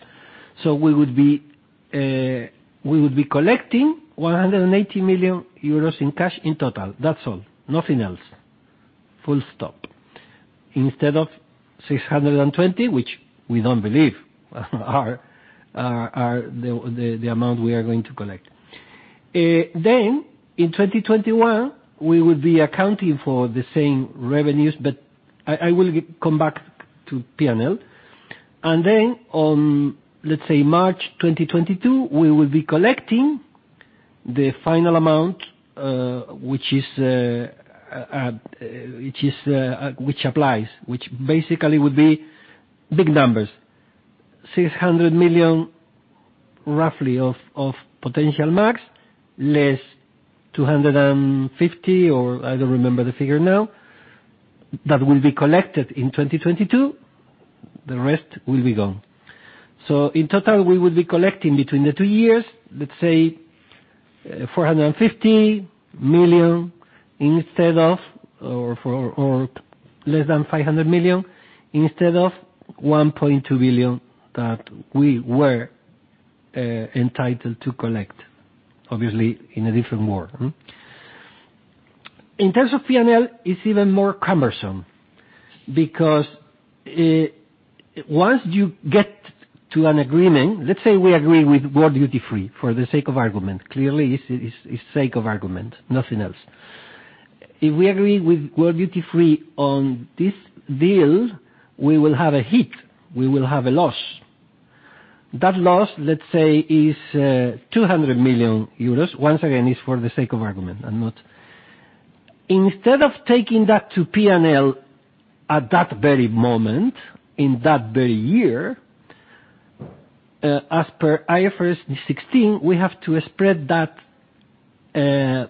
so we would be collecting 180 million euros in cash in total. That's all. Nothing else. Full stop. Instead of 620 million, which we don't believe are the amount we are going to collect, then, in 2021, we would be accounting for the same revenues, but I will come back to P&L, and then, on, let's say, March 2022, we will be collecting the final amount, which applies, which basically would be big numbers, 600 million, roughly, of potential MAGs, less 250, or I don't remember the figure now, that will be collected in 2022. The rest will be gone. So in total, we would be collecting between the two years, let's say, 450 million instead of, or less than 500 million instead of 1.2 billion that we were entitled to collect, obviously, in a different world. In terms of P&L, it's even more cumbersome because once you get to an agreement, let's say we agree with World Duty Free, for the sake of argument. Clearly, it's for the sake of argument, nothing else. If we agree with World Duty Free on this deal, we will have a hit. We will have a loss. That loss, let's say, is 200 million euros. Once again, it's for the sake of argument and not instead of taking that to P&L at that very moment, in that very year, as per IFRS 16, we have to spread that in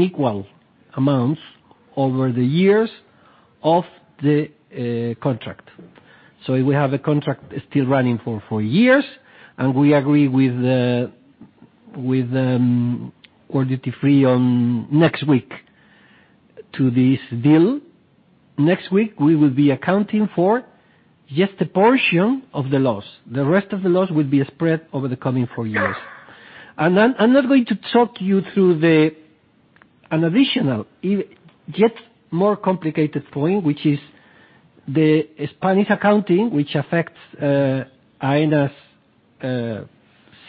equal amounts over the years of the contract. So if we have a contract still running for four years, and we agree with World Duty Free on next week to this deal, next week, we will be accounting for just a portion of the loss. The rest of the loss will be spread over the coming four years. And I'm not going to talk you through an additional, yet more complicated point, which is the Spanish accounting, which affects Aena's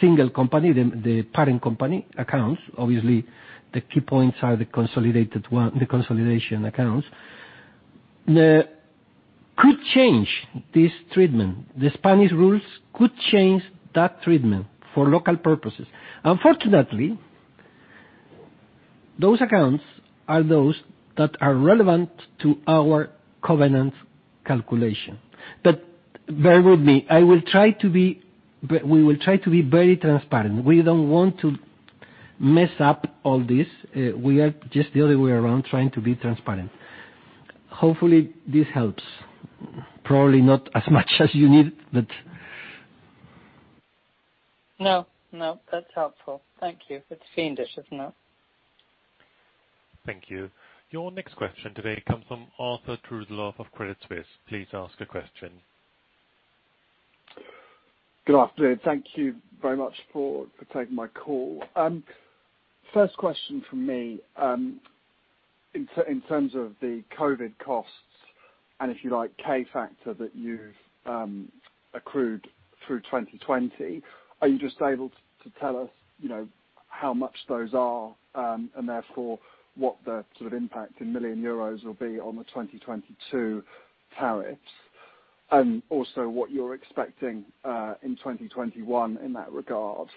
single company, the parent company accounts. Obviously, the key points are the consolidation accounts. Could change this treatment. The Spanish rules could change that treatment for local purposes. Unfortunately, those accounts are those that are relevant to our covenant calculation. But bear with me. I will try to be we will try to be very transparent. We don't want to mess up all this. We are just the other way around, trying to be transparent. Hopefully, this helps. Probably not as much as you need, but. No. No. That's helpful. Thank you. It's fiendish, isn't it? Thank you. Your next question today comes from Arthur Truslove of Credit Suisse. Please ask a question. Good afternoon. Thank you very much for taking my call. First question from me. In terms of the COVID costs and, if you like, K factor that you've accrued through 2020, are you just able to tell us how much those are and therefore what the sort of impact in million EUR will be on the 2022 tariffs? And also, what you're expecting in 2021 in that regard.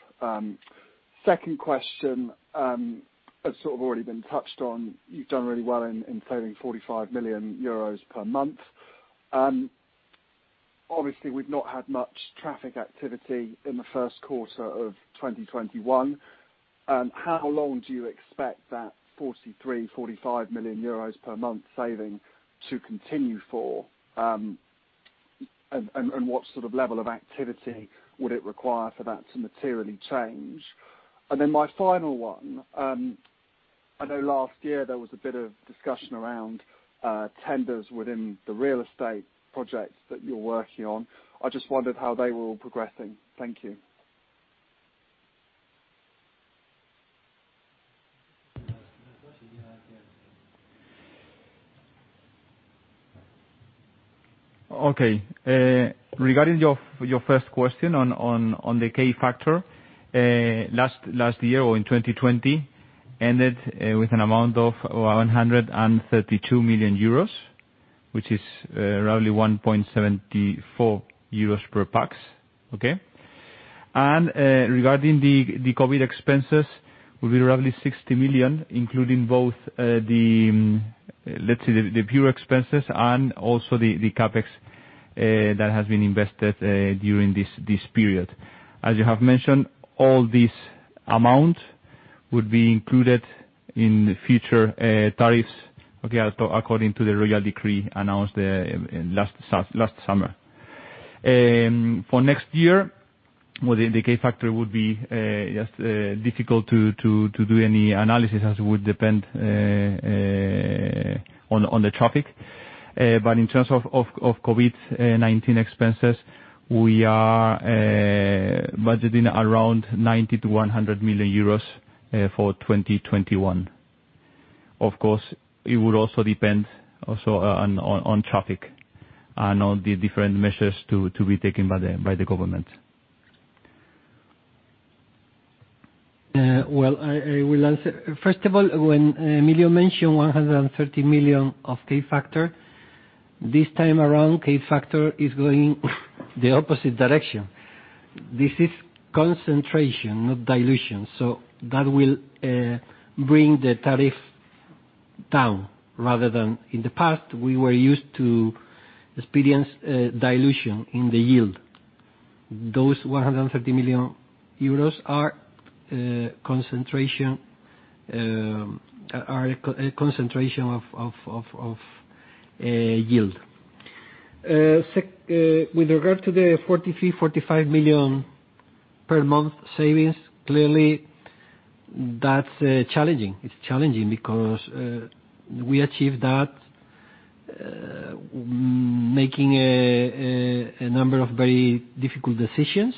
Second question, I've sort of already been touched on. You've done really well in saving 45 million euros per month. Obviously, we've not had much traffic activity in the first quarter of 2021. How long do you expect that 43-45 million euros per month saving to continue for? And what sort of level of activity would it require for that to materially change? And then my final one. I know last year there was a bit of discussion around tenders within the real estate projects that you're working on. I just wondered how they were all progressing. Thank you. Okay. Regarding your first question on the K factor, last year or in 2020 ended with an amount of 132 million euros, which is roughly 1.74 euros per pax. Okay? And regarding the COVID expenses, it will be roughly 60 million, including both the, let's say, pure expenses and also the CAPEX that has been invested during this period. As you have mentioned, all these amounts would be included in future tariffs, okay, according to the Royal Decree announced last summer. For next year, the K factor would be just difficult to do any analysis as it would depend on the traffic. But in terms of COVID-19 expenses, we are budgeting around 90 million-100 million euros for 2021. Of course, it would also depend on traffic and on the different measures to be taken by the government. I will answer. First of all, when Emilio mentioned 130 million of K factor, this time around, K factor is going the opposite direction. This is concentration, not dilution. So that will bring the tariff down rather than in the past, we were used to experience dilution in the yield. Those 130 million euros are concentration of yield. With regard to the 43 million-45 million per month savings, clearly, that's challenging. It's challenging because we achieved that making a number of very difficult decisions.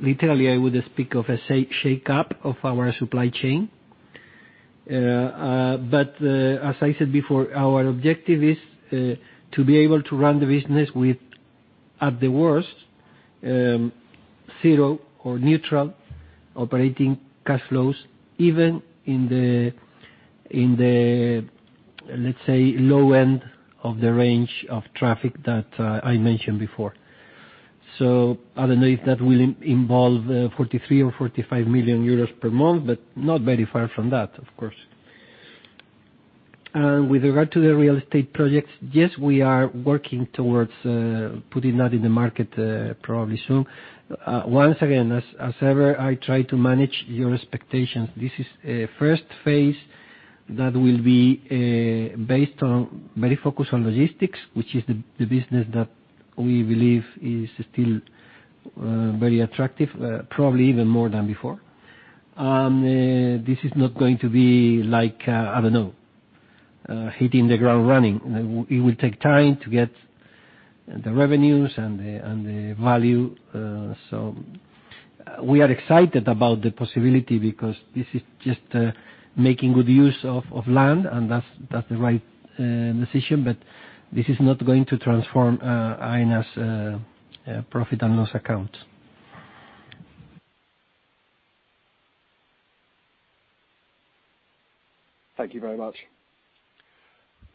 Literally, I would speak of a shake-up of our supply chain. But as I said before, our objective is to be able to run the business with, at the worst, zero or neutral operating cash flows, even in the, let's say, low end of the range of traffic that I mentioned before. So I don't know if that will involve 43 million or 45 million euros per month, but not very far from that, of course. And with regard to the real estate projects, yes, we are working towards putting that in the market probably soon. Once again, as ever, I try to manage your expectations. This is a first phase that will be based on very focused on logistics, which is the business that we believe is still very attractive, probably even more than before. And this is not going to be like, I don't know, hitting the ground running. It will take time to get the revenues and the value. So we are excited about the possibility because this is just making good use of land, and that's the right decision. But this is not going to transform Aena's profit and loss accounts. Thank you very much.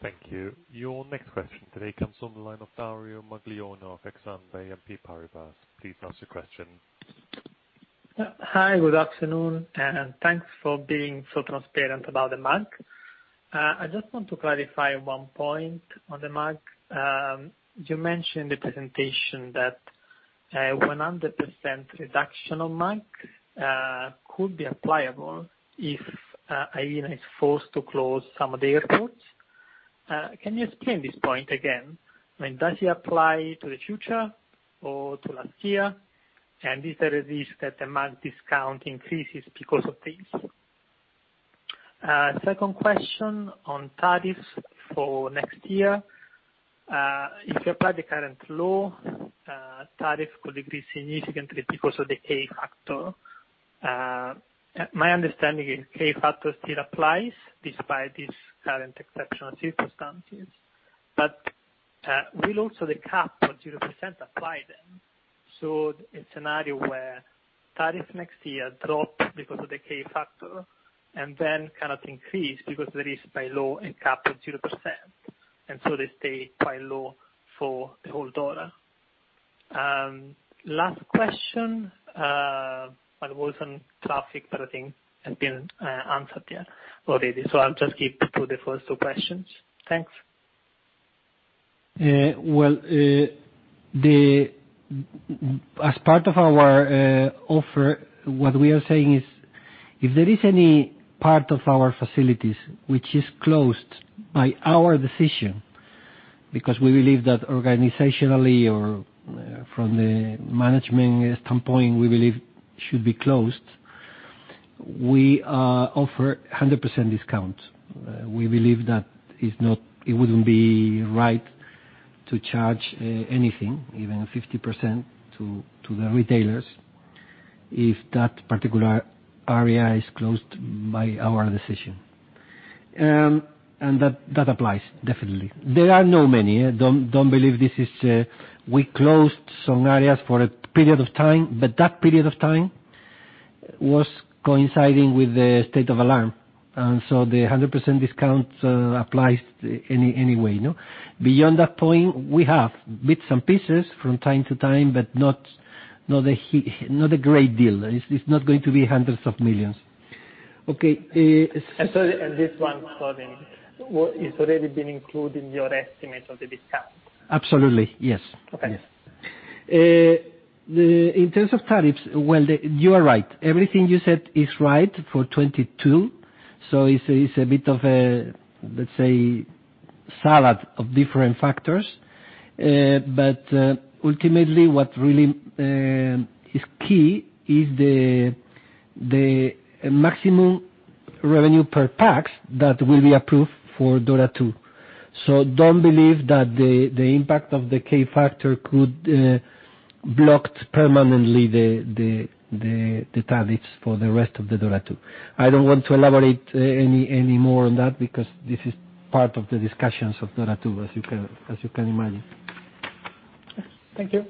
Thank you Your next question today comes from the line of Dario Maglione of Exane BNP Paribas. Please ask your question. Hi. Good afternoon. And thanks for being so transparent about the MAG. I just want to clarify one point on the MAG. You mentioned in the presentation that a 100% reduction of MAG could be applicable if Aena is forced to close some of the airports. Can you explain this point again? I mean, does it apply to the future or to last year? And is there a risk that the MAG discount increases because of this? Second question on tariffs for next year. If you apply the current law, tariffs could increase significantly because of the K factor. My understanding is K factor still applies despite these current exceptional circumstances. But will also the cap of 0% apply then? So a scenario where tariffs next year drop because of the K factor and then cannot increase because there is by law a cap of 0%. And so they stay quite low for the whole DORA. Last question, but it was on traffic, but I think it has been answered already. So I'll just keep to the first two questions. Thanks. As part of our offer, what we are saying is if there is any part of our facilities which is closed by our decision, because we believe that organizationally or from the management standpoint, we believe should be closed, we offer 100% discount. We believe that it wouldn't be right to charge anything, even 50%, to the retailers if that particular area is closed by our decision. And that applies, definitely. There aren't many. I don't believe this is. We closed some areas for a period of time, but that period of time was coinciding with the state of alarm. And so the 100% discount applies anyway. Beyond that point, we have bits and pieces from time to time, but not a great deal. It's not going to be hundreds of millions. Okay. And so this one, sorry, it's already been included in your estimate of the discount. Absolutely. Yes. Yes. In terms of tariffs, well, you are right. Everything you said is right for 2022. So it's a bit of a, let's say, salad of different factors. But ultimately, what really is key is the maximum revenue per pax that will be approved for DORA II. So don't believe that the impact of the K factor could block permanently the tariffs for the rest of the DORA II. I don't want to elaborate any more on that because this is part of the discussions of DORA II, as you can imagine. Thank you.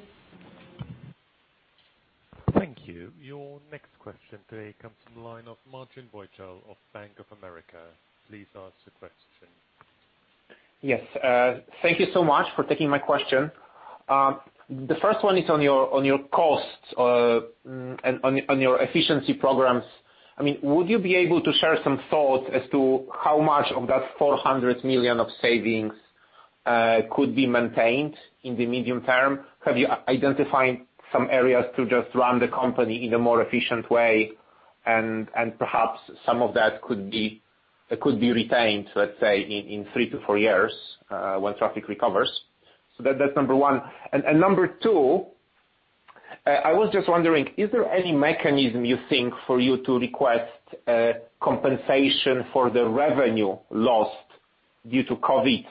Thank you. Your next question today comes from the line of Marcin Wojtal of Bank of America. Please ask the question. Yes. Thank you so much for taking my question. The first one is on your costs and on your efficiency programs. I mean, would you be able to share some thoughts as to how much of that 400 million of savings could be maintained in the medium term? Have you identified some areas to just run the company in a more efficient way? Perhaps some of that could be retained, let's say, in three to four years when traffic recovers. So that's number one. And number two, I was just wondering, is there any mechanism you think for you to request compensation for the revenue lost due to COVID?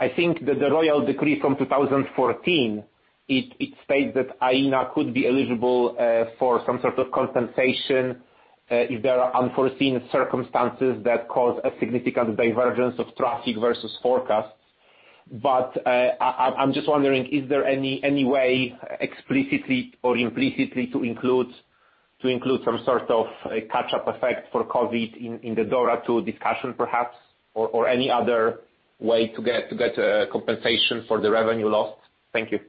I think that the Royal Decree from 2014, it states that Aena could be eligible for some sort of compensation if there are unforeseen circumstances that cause a significant divergence of traffic versus forecasts. But I'm just wondering, is there any way explicitly or implicitly to include some sort of catch-up effect for COVID in the DORA II discussion, perhaps, or any other way to get compensation for the revenue lost? Thank you.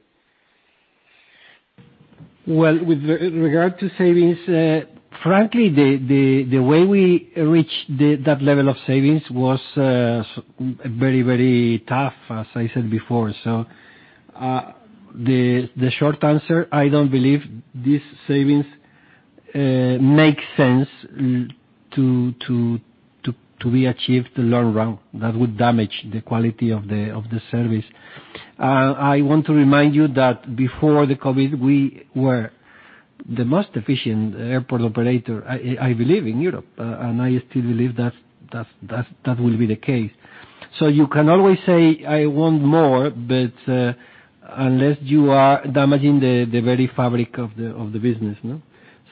With regard to savings, frankly, the way we reached that level of savings was very, very tough, as I said before. So the short answer, I don't believe these savings make sense to be achieved in the long run. That would damage the quality of the service. I want to remind you that before the COVID, we were the most efficient airport operator, I believe, in Europe, and I still believe that that will be the case, so you can always say, "I want more," but unless you are damaging the very fabric of the business,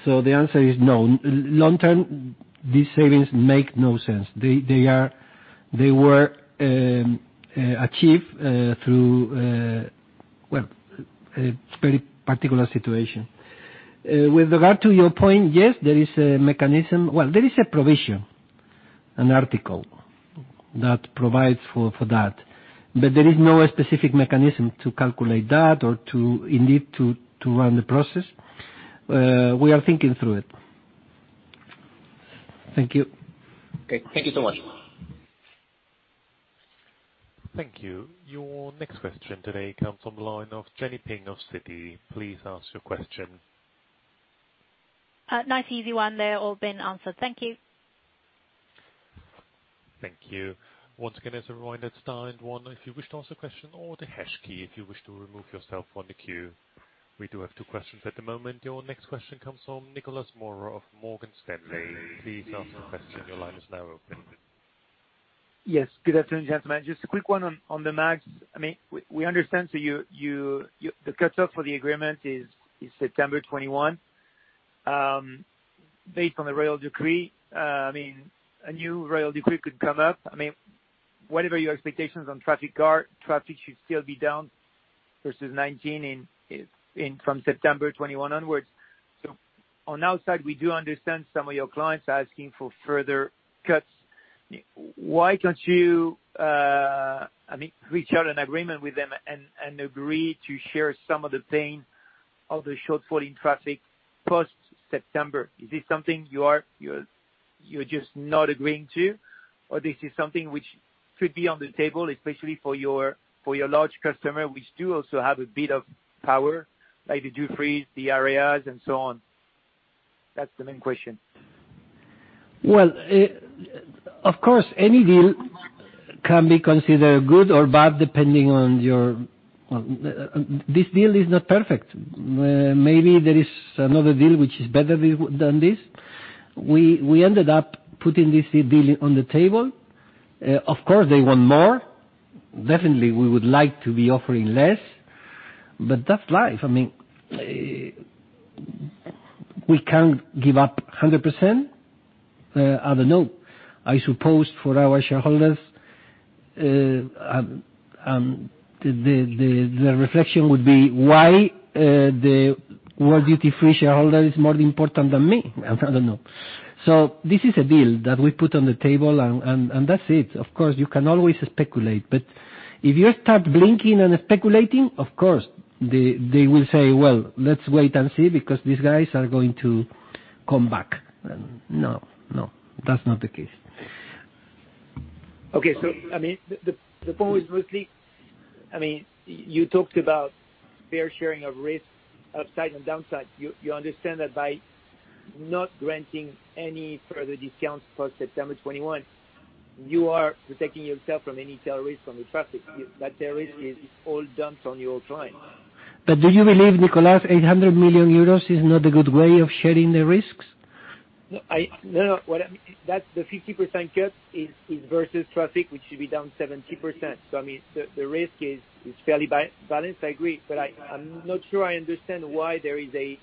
so the answer is no. Long-term, these savings make no sense. They were achieved through, well, a very particular situation. With regard to your point, yes, there is a mechanism, well, there is a provision, an article that provides for that. But there is no specific mechanism to calculate that or to, indeed, to run the process. We are thinking through it. Thank you. Okay. Thank you so much. Thank you. Your next question today comes from the line of Jenny Ping of Citi. Please ask your question. Nice, easy one. They've all been answered. Thank you. Thank you. Once again, as a reminder, it's line one. If you wish to ask a question or the hash key, if you wish to remove yourself from the queue, we do have two questions at the moment. Your next question comes from Nicolas Mora of Morgan Stanley. Please ask your question. Your line is now open. Yes. Good afternoon, gentlemen. Just a quick one on the MAG. I mean, we understand the cutoff for the agreement is September 2021. Based on the Royal Decree, I mean, a new Royal Decree could come up. I mean, whatever your expectations on traffic, traffic should still be down versus 19 from September 21 onwards. So on our side, we do understand some of your clients asking for further cuts. Why can't you, I mean, reach an agreement with them and agree to share some of the pain of the shortfall in traffic post-September? Is this something you're just not agreeing to, or this is something which could be on the table, especially for your large customer, which do also have a bit of power, like the Dufry, the Areas, and so on? That's the main question. Well, of course, any deal can be considered good or bad depending on your point of view. This deal is not perfect. Maybe there is another deal which is better than this. We ended up putting this deal on the table. Of course, they want more. Definitely, we would like to be offering less. But that's life. I mean, we can't give up 100%. I don't know. I suppose for our shareholders, the reflection would be, "Why the World Duty Free shareholder is more important than me?" I don't know. So this is a deal that we put on the table, and that's it. Of course, you can always speculate. But if you start blinking and speculating, of course, they will say, "Well, let's wait and see because these guys are going to come back." No, no. That's not the case. Okay. So I mean, the point was mostly, I mean, you talked about fair sharing of risk, upside and downside. You understand that by not granting any further discounts post-September 21st, you are protecting yourself from any downside from the traffic. That downside is all dumped on your client. But do you believe, Nicolas, 800 million euros is not a good way of sharing the risks? No, no. What I mean, that's the 50% cut versus traffic, which should be down 70%. So I mean, the risk is fairly balanced. I agree. But I'm not sure I understand why there is a,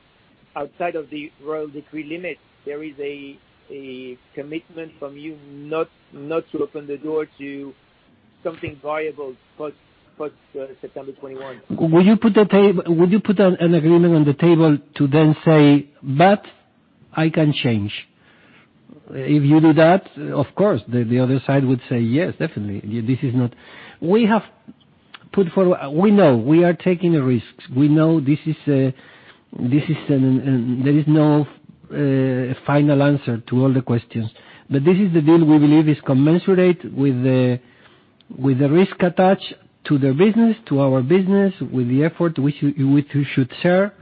outside of the Royal Decree limit, there is a commitment from you not to open the door to something viable post-September 21st. Would you put an agreement on the table to then say, "But I can change?" If you do that, of course, the other side would say, "Yes, definitely. This is not." We have put forward we know we are taking risks. We know this is a there is no final answer to all the questions. But this is the deal we believe is commensurate with the risk attached to their business, to our business, with the effort which you should share.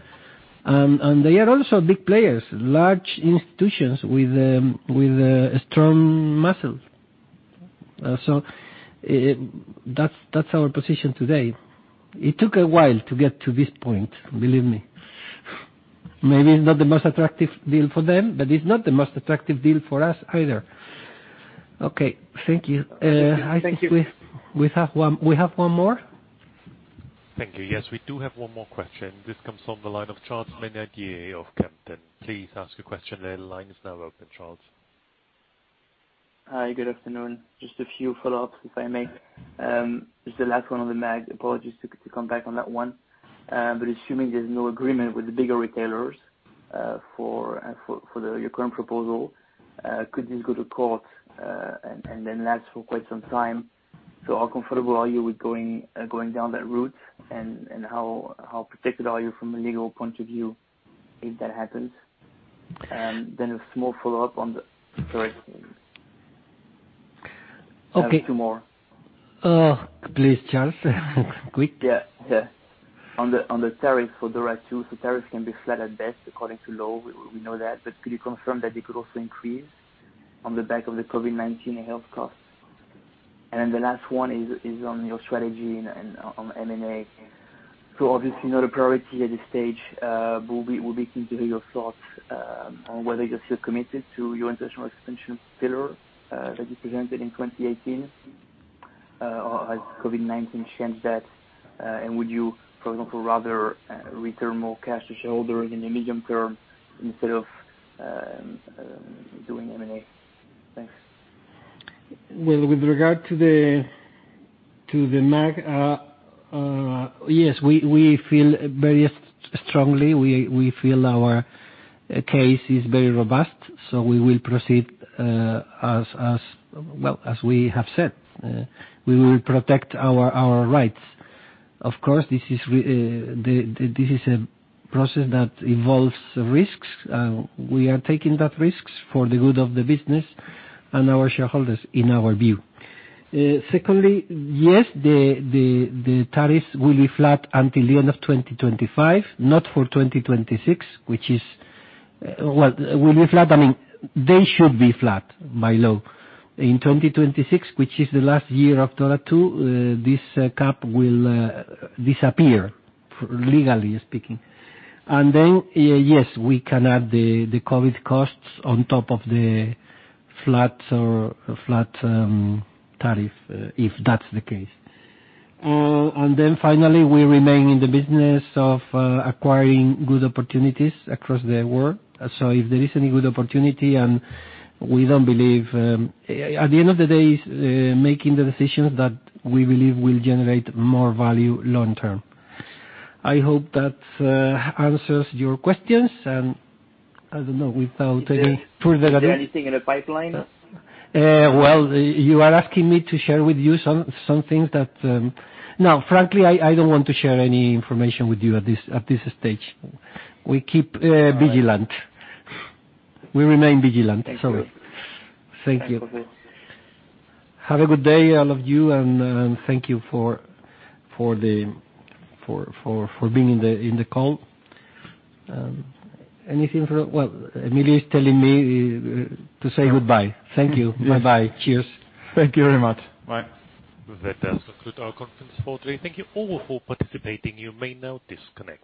And they are also big players, large institutions with strong muscles. So that's our position today. It took a while to get to this point, believe me. Maybe it's not the most attractive deal for them, but it's not the most attractive deal for us either. Okay. Thank you. I think we have one more. Thank you. Yes, we do have one more question. This comes from the line of Charles Maynadier of Kempen & Co. Please ask your question. The line is now open, Charles. Hi. Good afternoon. Just a few follow-ups, if I may. It's the last one on the MAG. Apologies to come back on that one. But assuming there's no agreement with the bigger retailers for your current proposal, could this go to court and then last for quite some time? So how comfortable are you with going down that route? And how protected are you from a legal point of view if that happens? Then a small follow-up on the sorry. Okay. Two more. Please, Charles. Quick. Yeah. Yeah. On the tariffs for DORA II, so tariffs can be flat at best according to law. We know that. But could you confirm that they could also increase on the back of the COVID-19 health costs? And then the last one is on your strategy on M&A. So obviously, not a priority at this stage. But we'll be keen to hear your thoughts on whether you're still committed to your international expansion pillar that you presented in 2018. Has COVID-19 changed that? And would you, for example, rather return more cash to shareholders in the medium term instead of doing M&A? Thanks. Well, with regard to the MAG, yes, we feel very strongly. We feel our case is very robust. So we will proceed as, well, as we have said. We will protect our rights. Of course, this is a process that involves risks. We are taking those risks for the good of the business and our shareholders, in our view. Secondly, yes, the tariffs will be flat until the end of 2025, not for 2026, which is, well, will be flat. I mean, they should be flat, by law. In 2026, which is the last year of DORA II, this cap will disappear, legally speaking, and then, yes, we can add the COVID costs on top of the flat tariff if that's the case, and then finally, we remain in the business of acquiring good opportunities across the world, so if there is any good opportunity, and we don't believe at the end of the day, making the decisions that we believe will generate more value long term. I hope that answers your questions, and I don't know, without any further. Is there anything in the pipeline? Well, you are asking me to share with you some things that now, frankly, I don't want to share any information with you at this stage. We keep vigilant. We remain vigilant. Sorry. Thank you. Have a good day, all of you. And thank you for being in the call. Anything from well, Emilio is telling me to say goodbye. Thank you. Bye-bye. Cheers. Thank you very much. Bye. That does conclude our conference for today. Thank you all for participating. You may now disconnect.